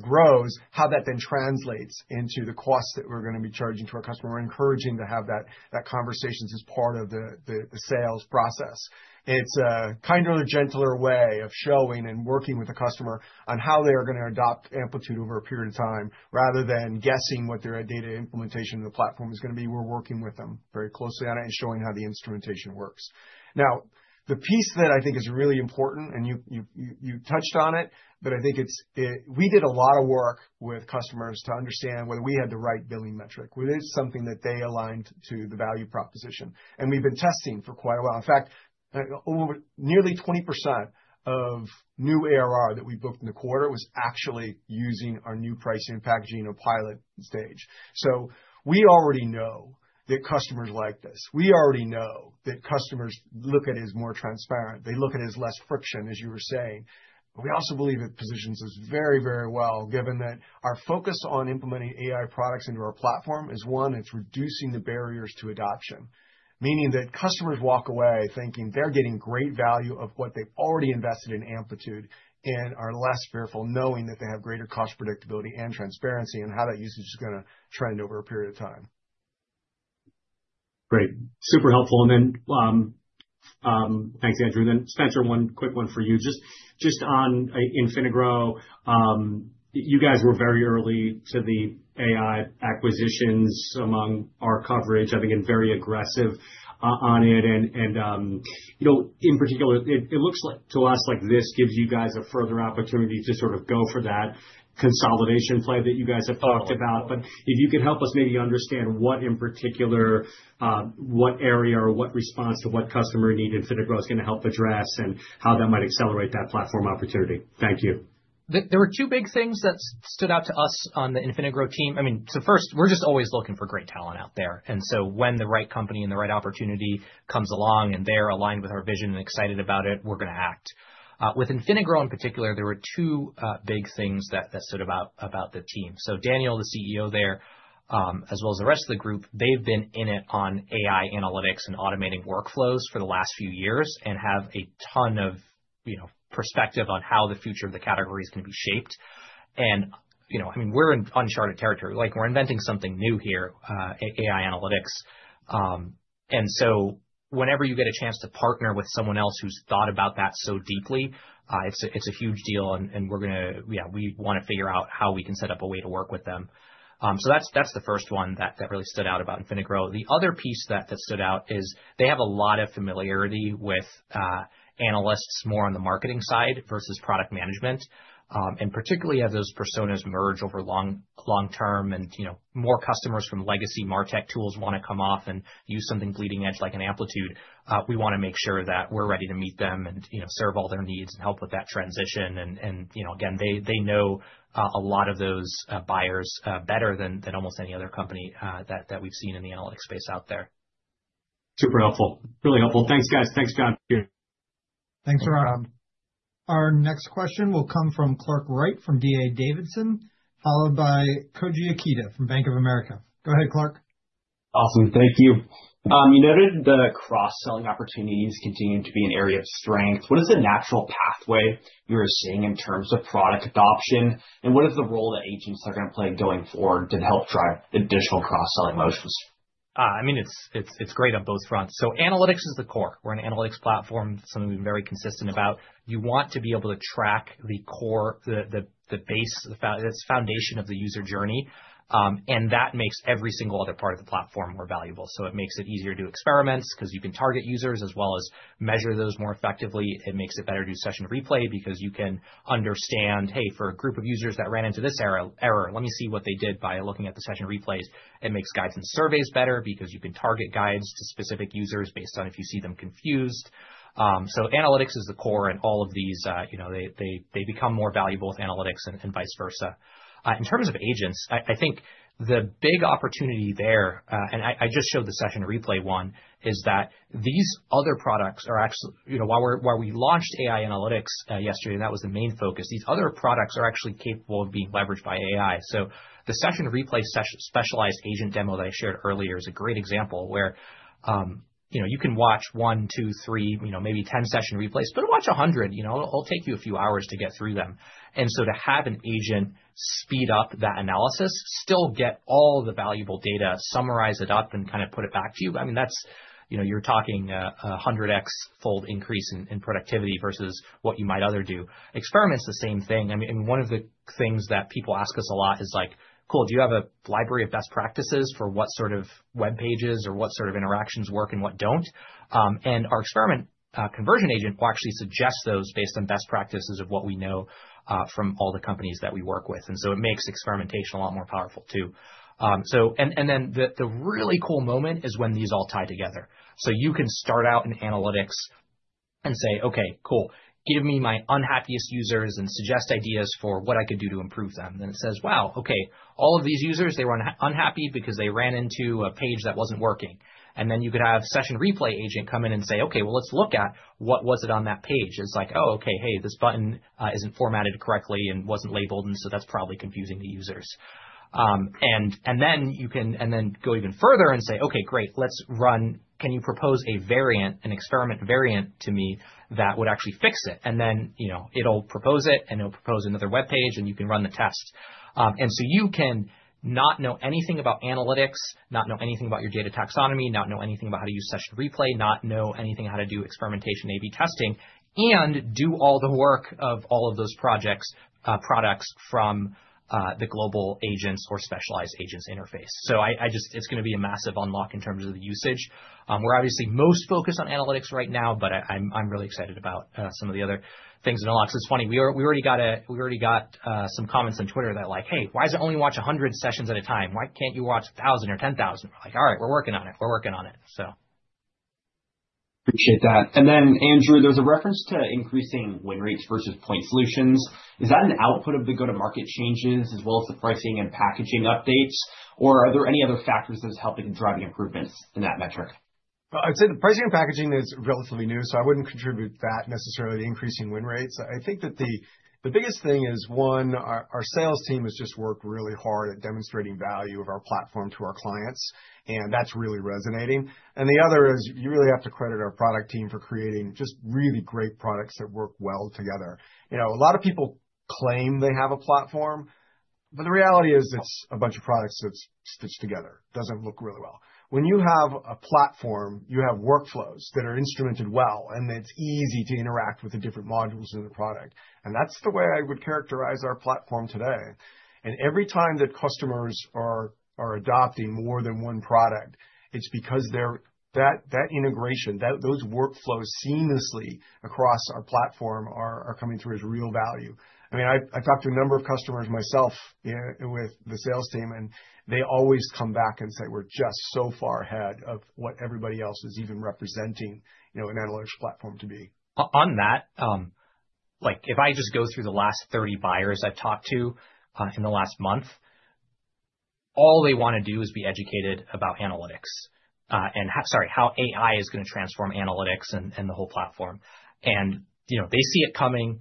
grows, how that then translates into the cost that we're gonna be charging to our customer. We're encouraging to have that conversations as part of the sales process. It's a kinder, gentler way of showing and working with the customer on how they are gonna adopt Amplitude over a period of time, rather than guessing what their data implementation of the platform is gonna be. We're working with them very closely on it and showing how the instrumentation works. Now, the piece that I think is really important, and you, you, you touched on it, but I think it's, we did a lot of work with customers to understand whether we had the right billing metric, whether it's something that they aligned to the value proposition, and we've been testing for quite a while. In fact, over nearly 20% of new ARR that we booked in the quarter was actually using our new pricing and packaging in a pilot stage. So we already know that customers like this. We already know that customers look at it as more transparent. They look at it as less friction, as you were saying. We also believe it positions us very, very well, given that our focus on implementing AI products into our platform is, one, it's reducing the barriers to adoption. Meaning that customers walk away thinking they're getting great value of what they've already invested in Amplitude and are less fearful knowing that they have greater cost, predictability, and transparency, and how that usage is gonna trend over a period of time. Great. Super helpful. And then, thanks, Andrew. Then, Spenser, one quick one for you. Just on InfiniGrow. You guys were very early to the AI acquisitions among our coverage, I think, and very aggressive on it. And, you know, in particular, it looks like to us, like this gives you guys a further opportunity to sort of go for that consolidation play that you guys have talked about. But if you could help us maybe understand what, in particular, what area or what response to what customer need InfiniGrow is gonna help address and how that might accelerate that platform opportunity. Thank you. There were two big things that stood out to us on the InfiniGrow team. I mean, so first, we're just always looking for great talent out there, and so when the right company and the right opportunity comes along, and they're aligned with our vision and excited about it, we're gonna act. With InfiniGrow in particular, there were two big things that stood out about the team. So Daniel, the CEO there, as well as the rest of the group, they've been in it on AI analytics and automating workflows for the last few years and have a ton of, you know, perspective on how the future of the category is gonna be shaped. And, you know, I mean, we're in uncharted territory. Like, we're inventing something new here, AI analytics. And so whenever you get a chance to partner with someone else who's thought about that so deeply, it's a huge deal, and we're gonna. Yeah, we wanna figure out how we can set up a way to work with them. So that's the first one that really stood out about InfiniGrow. The other piece that stood out is they have a lot of familiarity with analysts more on the marketing side versus product management. And particularly as those personas merge over long term and, you know, more customers from legacy martech tools wanna come off and use something bleeding edge, like an Amplitude, we wanna make sure that we're ready to meet them and, you know, serve all their needs and help with that transition. You know, again, they know a lot of those buyers better than almost any other company that we've seen in the analytics space out there. Super helpful. Really helpful. Thanks, guys. Thanks, John. Thanks, Rob. Our next question will come from Clark Wright from DA Davidson, followed by Koji Ikeda from Bank of America. Go ahead, Clark. Awesome. Thank you. You noted the cross-selling opportunities continuing to be an area of strength. What is the natural pathway you are seeing in terms of product adoption, and what is the role that agents are going to play going forward to help drive additional cross-selling motions? I mean, it's great on both fronts. Analytics is the core. We're an analytics platform, something we've been very consistent about. You want to be able to track the core, the base, the foundation of the user journey, and that makes every single other part of the platform more valuable. It makes it easier to do experiments 'cause you can target users as well as measure those more effectively. It makes it better to do Session Replay because you can understand, hey, for a group of users that ran into this error, error, let me see what they did by looking at the Session Replays. It makes guides and surveys better because you can target guides to specific users based on if you see them confused. Analytics is the core in all of these, you know, they become more valuable with analytics and vice versa. In terms of agents, I think the big opportunity there, and I just showed the Session Replay one, is that these other products are actually you know, while we're while we launched AI analytics yesterday, and that was the main focus, these other products are actually capable of being leveraged by AI. The Session Replay specialized agent demo that I shared earlier is a great example, where, you know, you can watch one, two, three, you know, maybe 10 Session Replays, but watch 100. You know, it'll take you a few hours to get through them. To have an agent speed up that analysis, still get all the valuable data, summarize it up, and kind of put it back to you, I mean, that's, you know, you're talking a 100x-fold increase in productivity versus what you might otherwise do. Experiment's the same thing. I mean, one of the things that people ask us a lot is like: Cool, do you have a library of best practices for what sort of web pages or what sort of interactions work and what don't? I mean, our experiment conversion agent will actually suggest those based on best practices of what we know from all the companies that we work with, and so it makes experimentation a lot more powerful, too. The really cool moment is when these all tie together. So you can start out in analytics and say, "Okay, cool, give me my unhappiest users and suggest ideas for what I could do to improve them." Then it says, "Wow, okay, all of these users, they were unhappy because they ran into a page that wasn't working." And then you could have Session Replay agent come in and say, "Okay, well, let's look at what was it on that page." It's like, oh, okay, hey, this button isn't formatted correctly and wasn't labeled, and so that's probably confusing the users. And then you can go even further and say, "Okay, great, let's run. Can you propose a variant, an experiment variant to me that would actually fix it?" And then, you know, it'll propose it, and it'll propose another web page, and you can run the test. You can not know anything about analytics, not know anything about your data taxonomy, not know anything about how to use Session Replay, not know anything how to do experimentation, A/B testing, and do all the work of all of those projects, products from the Global Agents or Specialized Agents interface. I just it's gonna be a massive unlock in terms of the usage. We're obviously most focused on analytics right now, but I'm really excited about some of the other things in the works. It's funny, we already got a we already got some comments on Twitter that like, "Hey, why does it only watch 100 sessions at a time? Why can't you watch 1,000 or 10,000?" We're like, "All right, we're working on it. We're working on it." So Appreciate that. And then, Andrew, there was a reference to increasing win rates versus point solutions. Is that an output of the go-to-market changes as well as the pricing and packaging updates, or are there any other factors that are helping in driving improvements in that metric? Well, I'd say the pricing and packaging is relatively new, so I wouldn't contribute that necessarily to increasing win rates. I think that the biggest thing is, one, our sales team has just worked really hard at demonstrating value of our platform to our clients, and that's really resonating. And the other is, you really have to credit our product team for creating just really great products that work well together. You know, a lot of people claim they have a platform, but the reality is it's a bunch of products that's stitched together. Doesn't look really well. When you have a platform, you have workflows that are instrumented well, and it's easy to interact with the different modules in the product, and that's the way I would characterize our platform today. Every time that customers are adopting more than one product, it's because they're that integration, those workflows seamlessly across our platform are coming through as real value. I mean, I've talked to a number of customers myself, yeah, with the sales team, and they always come back and say, "We're just so far ahead of what everybody else is even representing, you know, an analytics platform to be. On that, like, if I just go through the last 30 buyers I've talked to, in the last month, all they wanna do is be educated about analytics. And how AI is gonna transform analytics and the whole platform. And, you know, they see it coming,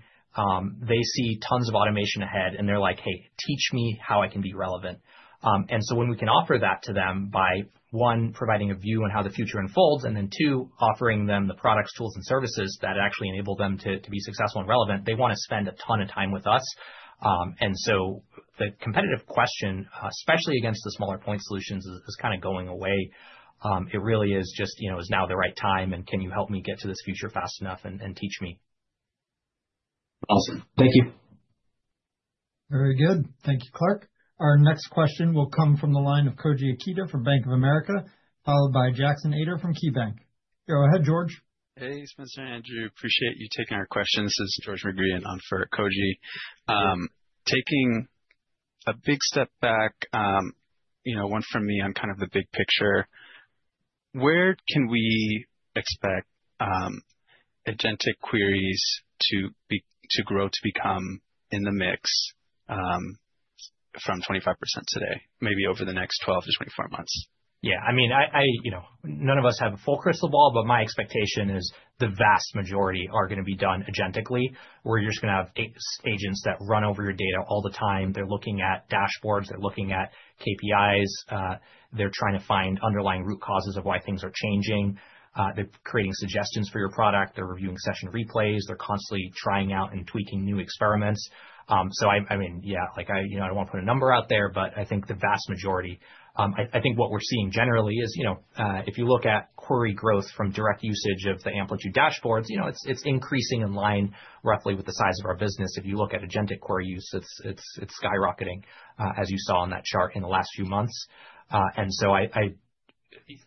they see tons of automation ahead, and they're like: Hey, teach me how I can be relevant. And so when we can offer that to them by, one, providing a view on how the future unfolds, and then, two, offering them the products, tools, and services that actually enable them to be successful and relevant, they wanna spend a ton of time with us. And so the competitive question, especially against the smaller point solutions, is kind of going away. It really is just, you know, is now the right time, and can you help me get to this future fast enough and teach me? Awesome. Thank you. Very good. Thank you, Clark. Our next question will come from the line of Koji Ikeda from Bank of America, followed by Jackson Ader from KeyBanc. Go ahead, George. Hey, Spenser and Andrew, appreciate you taking our question. This is George McGeehan in for Koji. Taking a big step back, you know, one from me on kind of the big picture, where can we expect agentic queries to be, to grow, to become in the mix from 25% today, maybe over the next 12-24 months? Yeah, I mean, you know, none of us have a full crystal ball, but my expectation is the vast majority are going to be done agentically, where you're just going to have agents that run over your data all the time. They're looking at dashboards, they're looking at KPIs, they're trying to find underlying root causes of why things are changing. They're creating suggestions for your product. They're reviewing Session Replays. They're constantly trying out and tweaking new experiments. So I mean, yeah, like, you know, I don't want to put a number out there, but I think the vast majority. I think what we're seeing generally is, you know, if you look at query growth from direct usage of the Amplitude dashboards, you know, it's increasing in line roughly with the size of our business. If you look at agentic query use, it's skyrocketing, as you saw on that chart in the last few months. And so,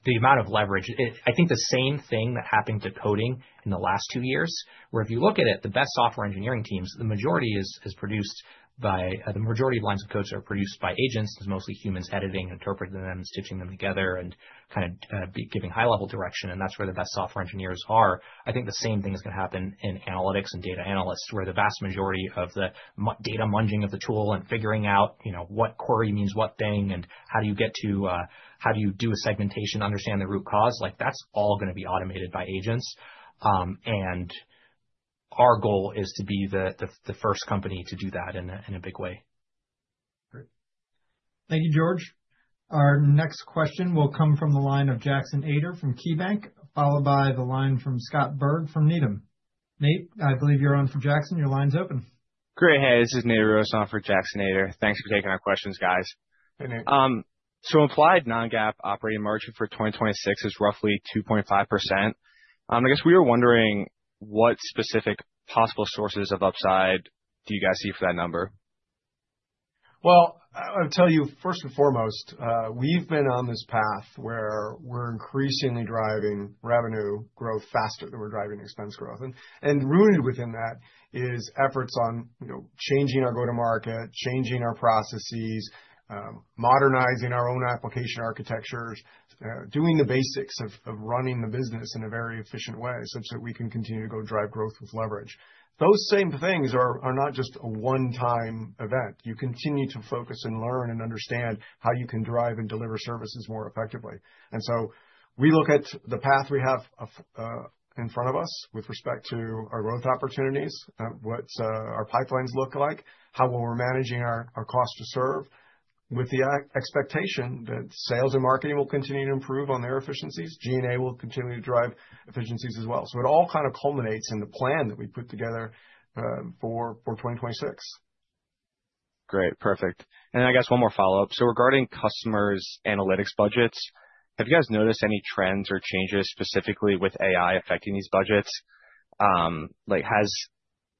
the amount of leverage. I think the same thing that happened to coding in the last 2 years, where if you look at it, the best software engineering teams, the majority is produced by, the majority of lines of codes are produced by agents. It's mostly humans editing, interpreting them, stitching them together, and kind of giving high-level direction, and that's where the best software engineers are. I think the same thing is going to happen in analytics and data analysts, where the vast majority of the data munging of the tool and figuring out, you know, what query means what thing, and how do you get to, how do you do a segmentation, understand the root cause? Like, that's all going to be automated by agents. And our goal is to be the first company to do that in a big way. Great. Thank you, George. Our next question will come from the line of Jackson Ader from KeyBanc, followed by the line from Scott Berg from Needham. Nate, I believe you're on for Jackson. Your line's open. Great. Hey, this is Nate Steinberg for Jackson Ader. Thanks for taking our questions, guys. Hey, Nate. So implied non-GAAP operating margin for 2026 is roughly 2.5%. I guess we were wondering what specific possible sources of upside do you guys see for that number? Well, I'll tell you, first and foremost, we've been on this path where we're increasingly driving revenue growth faster than we're driving expense growth. And, and rooted within that is efforts on, you know, changing our go-to-market, changing our processes, modernizing our own application architectures, doing the basics of running the business in a very efficient way such that we can continue to go drive growth with leverage. Those same things are, are not just a one-time event. You continue to focus and learn and understand how you can drive and deliver services more effectively. And so we look at the path we have of, in front of us with respect to our growth opportunities, what's our pipelines look like, how well we're managing our cost to serve, with the expectation that sales and marketing will continue to improve on their efficiencies G&A will continue to drive efficiencies as well. So it all kind of culminates in the plan that we put together for 2026. Great, perfect. And then I guess one more follow-up. So regarding customers' analytics budgets, have you guys noticed any trends or changes specifically with AI affecting these budgets? Like, has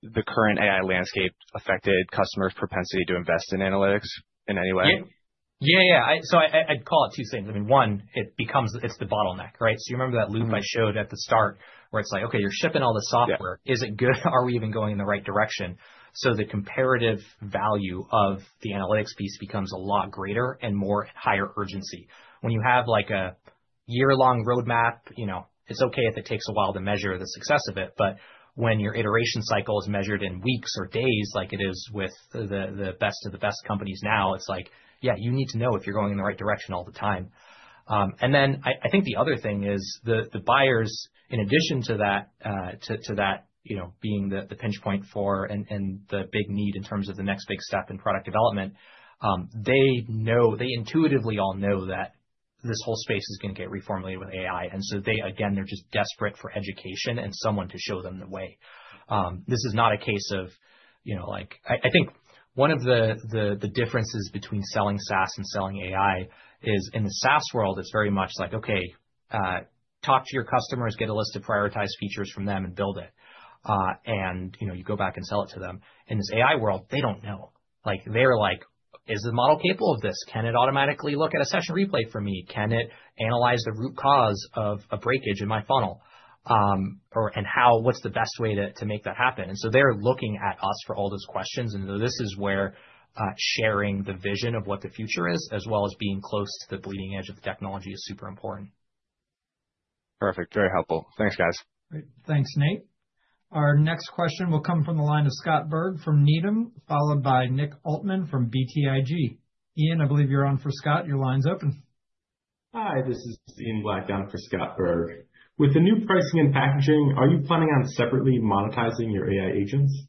the current AI landscape affected customers' propensity to invest in analytics in any way? Yeah. Yeah, yeah. So I, I'd call it two things. I mean, one, it becomes, it's the bottleneck, right? So you remember that loop I showed at the start, where it's like, okay, you're shipping all the software. Yeah. Is it good? Are we even going in the right direction? So the comparative value of the analytics piece becomes a lot greater and more higher urgency. When you have, like, a year-long roadmap, you know, it's okay if it takes a while to measure the success of it, but when your iteration cycle is measured in weeks or days, like it is with the best of the best companies now, it's like, yeah, you need to know if you're going in the right direction all the time. And then I think the other thing is the buyers, in addition to that, to that, you know, being the pinch point for and the big need in terms of the next big step in product development. They know, they intuitively all know that this whole space is going to get reformatted with AI. And so they, again, they're just desperate for education and someone to show them the way. This is not a case of, you know, like I think one of the differences between selling SaaS and selling AI is, in the SaaS world, it's very much like, okay, talk to your customers, get a list of prioritized features from them, and build it. And, you know, you go back and sell it to them. In this AI world, they don't know. Like, they're like: Is the model capable of this? Can it automatically look at a Session Replay for me? Can it analyze the root cause of a breakage in my funnel? Or, and how, what's the best way to make that happen? And so they're looking at us for all those questions, and this is where sharing the vision of what the future is, as well as being close to the bleeding edge of the technology, is super important. Perfect. Very helpful. Thanks, guys. Great. Thanks, Nate. Our next question will come from the line of Scott Berg from Needham, followed by Nick Altman from BTIG. Ian, I believe you're on for Scott. Your line's open. Hi, this is Ian Black down for Scott Berg. With the new pricing and packaging, are you planning on separately monetizing your AI agents?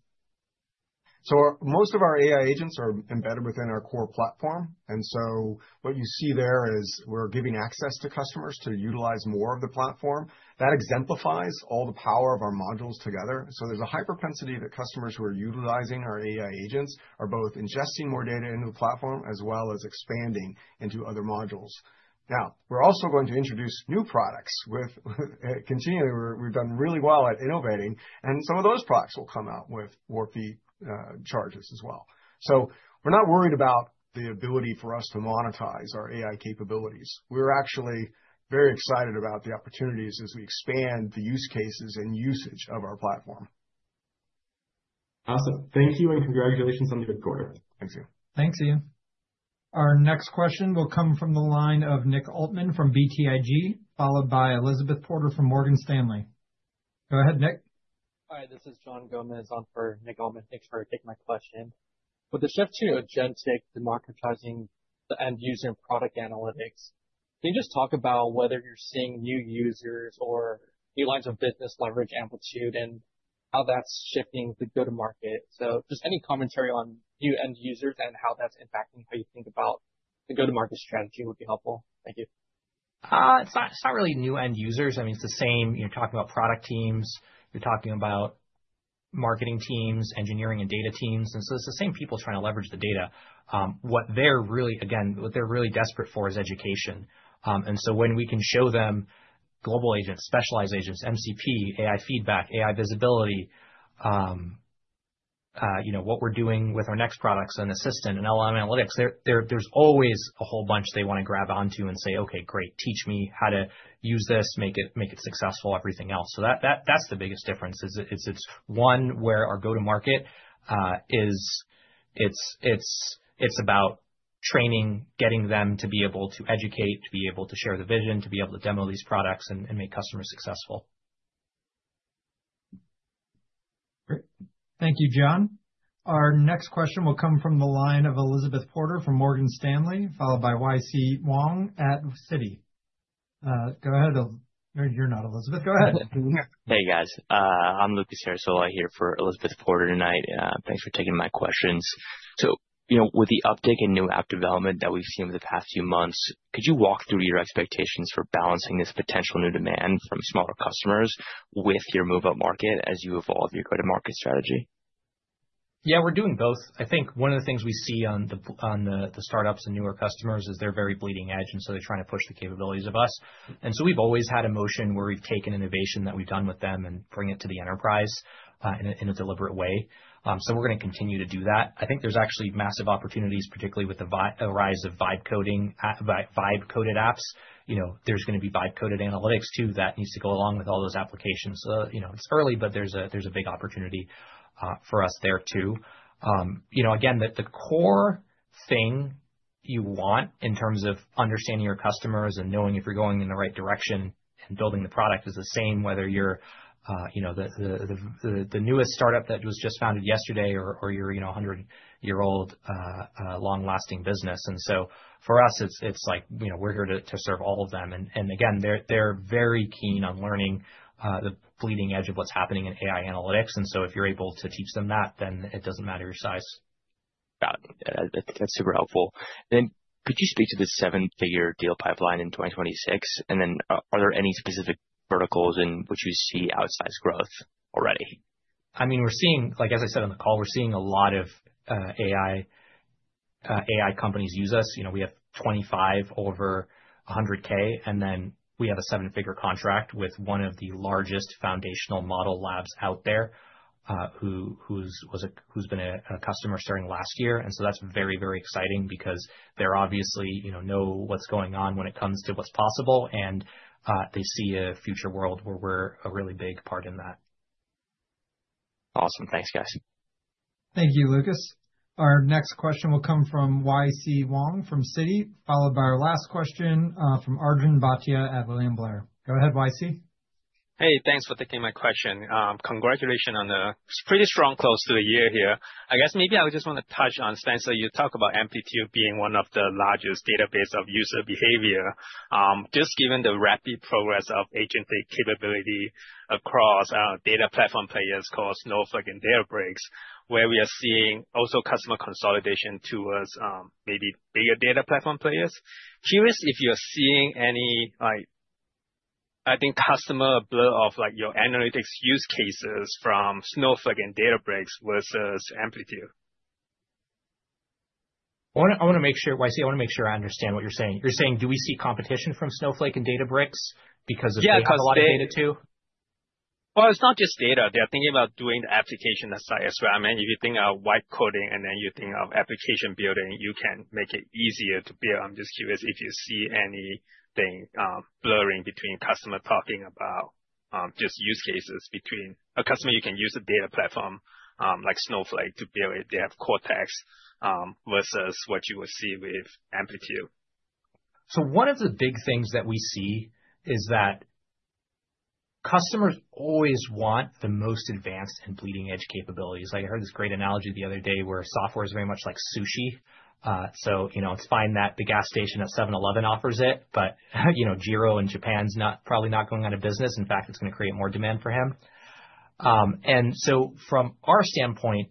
So most of our AI agents are embedded within our core platform, and so what you see there is we're giving access to customers to utilize more of the platform. That exemplifies all the power of our modules together. So there's a propensity that customers who are utilizing our AI agents are both ingesting more data into the platform, as well as expanding into other modules. Now, we're also going to introduce new products with continually, we've done really well at innovating, and some of those products will come out with more fee charges as well. So we're not worried about the ability for us to monetize our AI capabilities. We're actually very excited about the opportunities as we expand the use cases and usage of our platform. Awesome. Thank you, and congratulations on the good quarter. Thank you. Thanks, Ian. Our next question will come from the line of Nick Altman from BTIG, followed by Elizabeth Porter from Morgan Stanley. Go ahead, Nick. Hi, this is John Gomez on for Nick Altman. Thanks for taking my question. With the shift to agentic democratizing the end user and product analytics, can you just talk about whether you're seeing new users or new lines of business leverage Amplitude, and how that's shifting the go-to-market? So just any commentary on new end users and how that's impacting how you think about the go-to-market strategy would be helpful. Thank you. It's not, it's not really new end users. I mean, it's the same. You're talking about product teams, you're talking about marketing teams, engineering and data teams, and so it's the same people trying to leverage the data. What they're really, again, what they're really desperate for is education. And so when we can show them global agents, specialized agents, MCP, AI feedback, AI visibility, you know, what we're doing with our next products and assistant and LLM analytics, there's always a whole bunch they want to grab onto and say, "Okay, great, teach me how to use this, make it successful," everything else. So that's the biggest difference, is it's one where our go-to-market is. It's about training, getting them to be able to educate, to be able to share the vision, to be able to demo these products and make customers successful. Great. Thank you, John. Our next question will come from the line of Elizabeth Porter from Morgan Stanley, followed by YC Wong at Citi. Go ahead, You're not Elizabeth. Go ahead. Hey, guys. I'm Lucas Sarasola here for Elizabeth Porter tonight. Thanks for taking my questions. So, you know, with the uptick in new app development that we've seen over the past few months, could you walk through your expectations for balancing this potential new demand from smaller customers with your move-up market as you evolve your go-to-market strategy? Yeah, we're doing both. I think one of the things we see on the startups and newer customers is they're very bleeding edge, and so they're trying to push the capabilities of us. And so we've always had a motion where we've taken innovation that we've done with them and bring it to the enterprise in a deliberate way. So we're gonna continue to do that. I think there's actually massive opportunities, particularly with the rise of Vibe Coding, Vibe-coded apps. You know, there's gonna be Vibe-coded analytics, too, that needs to go along with all those applications. You know, it's early, but there's a big opportunity for us there, too. You know, again, the core thing you want in terms of understanding your customers and knowing if you're going in the right direction and building the product is the same, whether you're, you know, the newest startup that was just founded yesterday or, you're, you know, a 100-year-old long-lasting business. And so for us, it's like, you know, we're here to serve all of them. And again, they're very keen on learning the bleeding edge of what's happening in AI analytics. And so if you're able to teach them that, then it doesn't matter your size. Got it. That's super helpful. Then could you speak to the seven-figure deal pipeline in 2026? And then are there any specific verticals in which we see outsized growth already? I mean, we're seeing, like as I said on the call, we're seeing a lot of AI companies use us. You know, we have 25 over 100K, and then we have a seven-figure contract with one of the largest foundational model labs out there, who's been a customer starting last year. And so that's very, very exciting because they're obviously, you know, know what's going on when it comes to what's possible, and they see a future world where we're a really big part in that. Awesome. Thanks, guys. Thank you, Lucas. Our next question will come from YC Wong from Citi, followed by our last question, from Arjun Bhatia at William Blair. Go ahead, YC. Hey, thanks for taking my question. Congratulations on the pretty strong close to the year here. I guess maybe I would just want to touch on, Spenser, you talk about Amplitude being one of the largest database of user behavior. Just given the rapid progress of agent capability across data platform players called Snowflake and Databricks, where we are seeing also customer consolidation towards maybe bigger data platform players. Curious if you're seeing any, like, I think, customer blur of, like, your analytics use cases from Snowflake and Databricks versus Amplitude. I wanna, I wanna make sure, YC, I wanna make sure I understand what you're saying. You're saying, do we see competition from Snowflake and Databricks because of Yeah. a lot of data, too? Well, it's not just data. They are thinking about doing the application side as well. I mean, if you think of Vibe Coding, and then you think of application building, you can make it easier to build. I'm just curious if you see anything, blurring between customer talking about, just use cases between a customer you can use a data platform, like Snowflake, to build if they have Cortex, versus what you would see with Amplitude. So one of the big things that we see is that customers always want the most advanced and bleeding-edge capabilities. I heard this great analogy the other day, where software is very much like sushi. So, you know, it's fine that the gas station at 7-Eleven offers it, but, you know, Jiro in Japan's not, probably not going out of business. In fact, it's gonna create more demand for him. And so from our standpoint,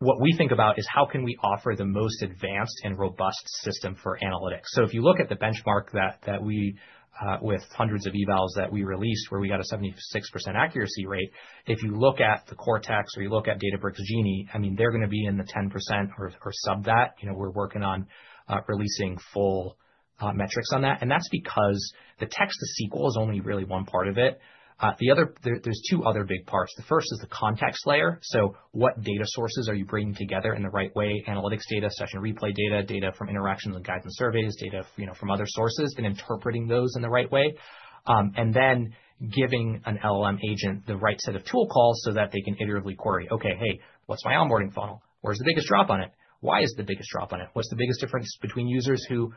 what we think about is: How can we offer the most advanced and robust system for analytics? So if you look at the benchmark that we with hundreds of evals that we released, where we got a 76% accuracy rate, if you look at the Cortex or you look at Databricks Genie, I mean, they're gonna be in the 10% or sub that. You know, we're working on releasing full metrics on that, and that's because the text-to-SQL is only really one part of it. The other there's two other big parts. The first is the context layer. So what data sources are you bringing together in the right way? Analytics data, Session Replay data, data from interactions and Guides and Surveys, data, you know, from other sources, then interpreting those in the right way. And then giving an LLM agent the right set of tool calls so that they can iteratively query: "Okay, hey, what's my onboarding funnel? Where's the biggest drop on it? Why is the biggest drop on it? What's the biggest difference between users who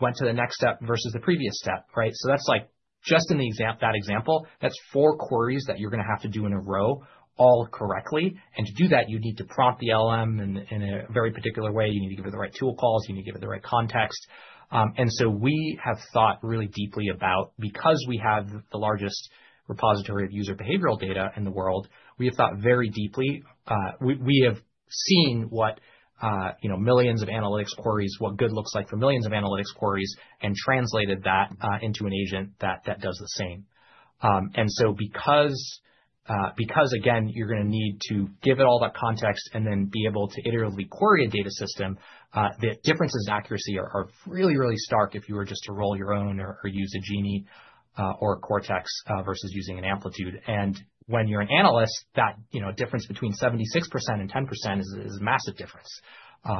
went to the next step versus the previous step," right? So that's like Just in that example, that's four queries that you're gonna have to do in a row, all correctly. And to do that, you need to prompt the LM in a very particular way. You need to give it the right tool calls, you need to give it the right context. And so we have thought really deeply about because we have the largest repository of user behavioral data in the world, we have thought very deeply, we have seen what you know, millions of analytics queries, what good looks like for millions of analytics queries, and translated that into an agent that does the same. Because, again, you're gonna need to give it all that context and then be able to iteratively query a data system, the differences in accuracy are really, really stark if you were just to roll your own or use a Genie or Cortex versus using an Amplitude. When you're an analyst, that, you know, difference between 76% and 10% is a massive difference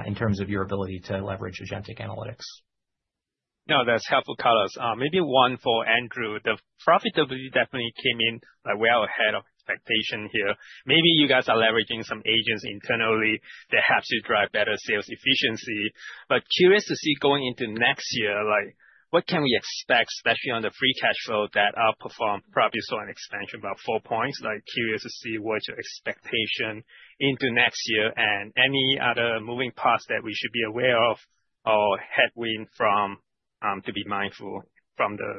in terms of your ability to leverage agentic analytics. No, that's helpful colors. Maybe one for Andrew. The profitability definitely came in, like, well ahead of expectation here. Maybe you guys are leveraging some agents internally that helps you drive better sales efficiency. But curious to see going into next year, like, what can we expect, especially on the free cash flow, that outperformed, probably saw an expansion about four points? Like, curious to see what's your expectation into next year and any other moving parts that we should be aware of or headwind from, to be mindful from the,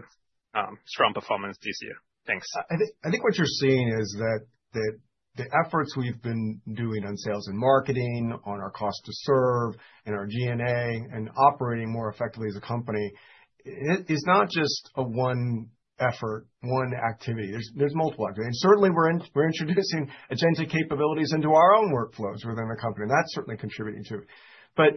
strong performance this year. Thanks. I think, I think what you're seeing is that, that the efforts we've been doing on sales and marketing, on our cost to serve and our G&A and operating more effectively as a company, it is not just a one effort, one activity. There's, there's multiple activities. Certainly, we're introducing agentic capabilities into our own workflows within the company, and that's certainly contributing to it. But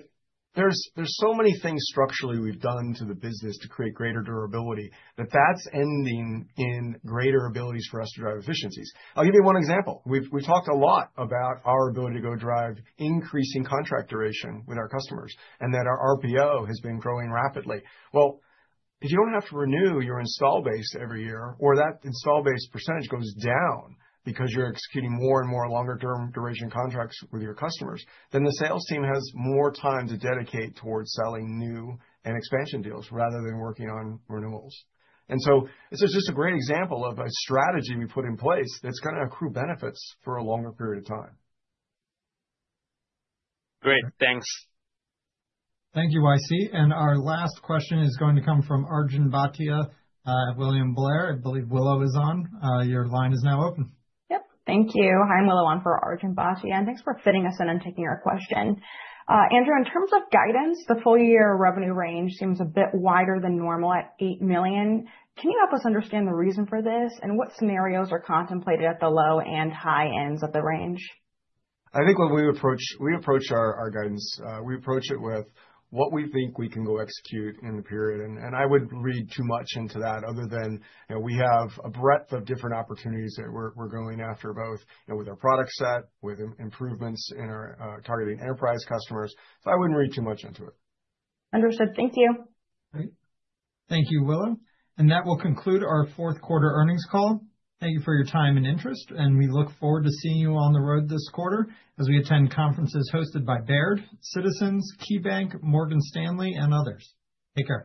there's, there's so many things structurally we've done to the business to create greater durability, that that's ending in greater abilities for us to drive efficiencies. I'll give you one example. We've, we've talked a lot about our ability to go drive increasing contract duration with our customers, and that our RPO has been growing rapidly. Well, if you don't have to renew your install base every year, or that install base percentage goes down because you're executing more and more longer-term duration contracts with your customers, then the sales team has more time to dedicate towards selling new and expansion deals rather than working on renewals. And so this is just a great example of a strategy we put in place that's gonna accrue benefits for a longer period of time. Great. Thanks. Thank you, YC. Our last question is going to come from Arjun Bhatia, William Blair. I believe Willow is on. Your line is now open. Yep. Thank you. Hi, I'm Willow, on for Arjun Bhatia, and thanks for fitting us in and taking our question. Andrew, in terms of guidance, the full year revenue range seems a bit wider than normal at $8 million. Can you help us understand the reason for this, and what scenarios are contemplated at the low and high ends of the range? I think when we approach our guidance, we approach it with what we think we can go execute in the period. I wouldn't read too much into that other than, you know, we have a breadth of different opportunities that we're going after, both, you know, with our product set, with improvements in our targeting enterprise customers, so I wouldn't read too much into it. Understood. Thank you. Great. Thank you, Willow. That will conclude our fourth quarter earnings call. Thank you for your time and interest, and we look forward to seeing you on the road this quarter as we attend conferences hosted by Baird, Citizens, KeyBanc, Morgan Stanley, and others. Take care.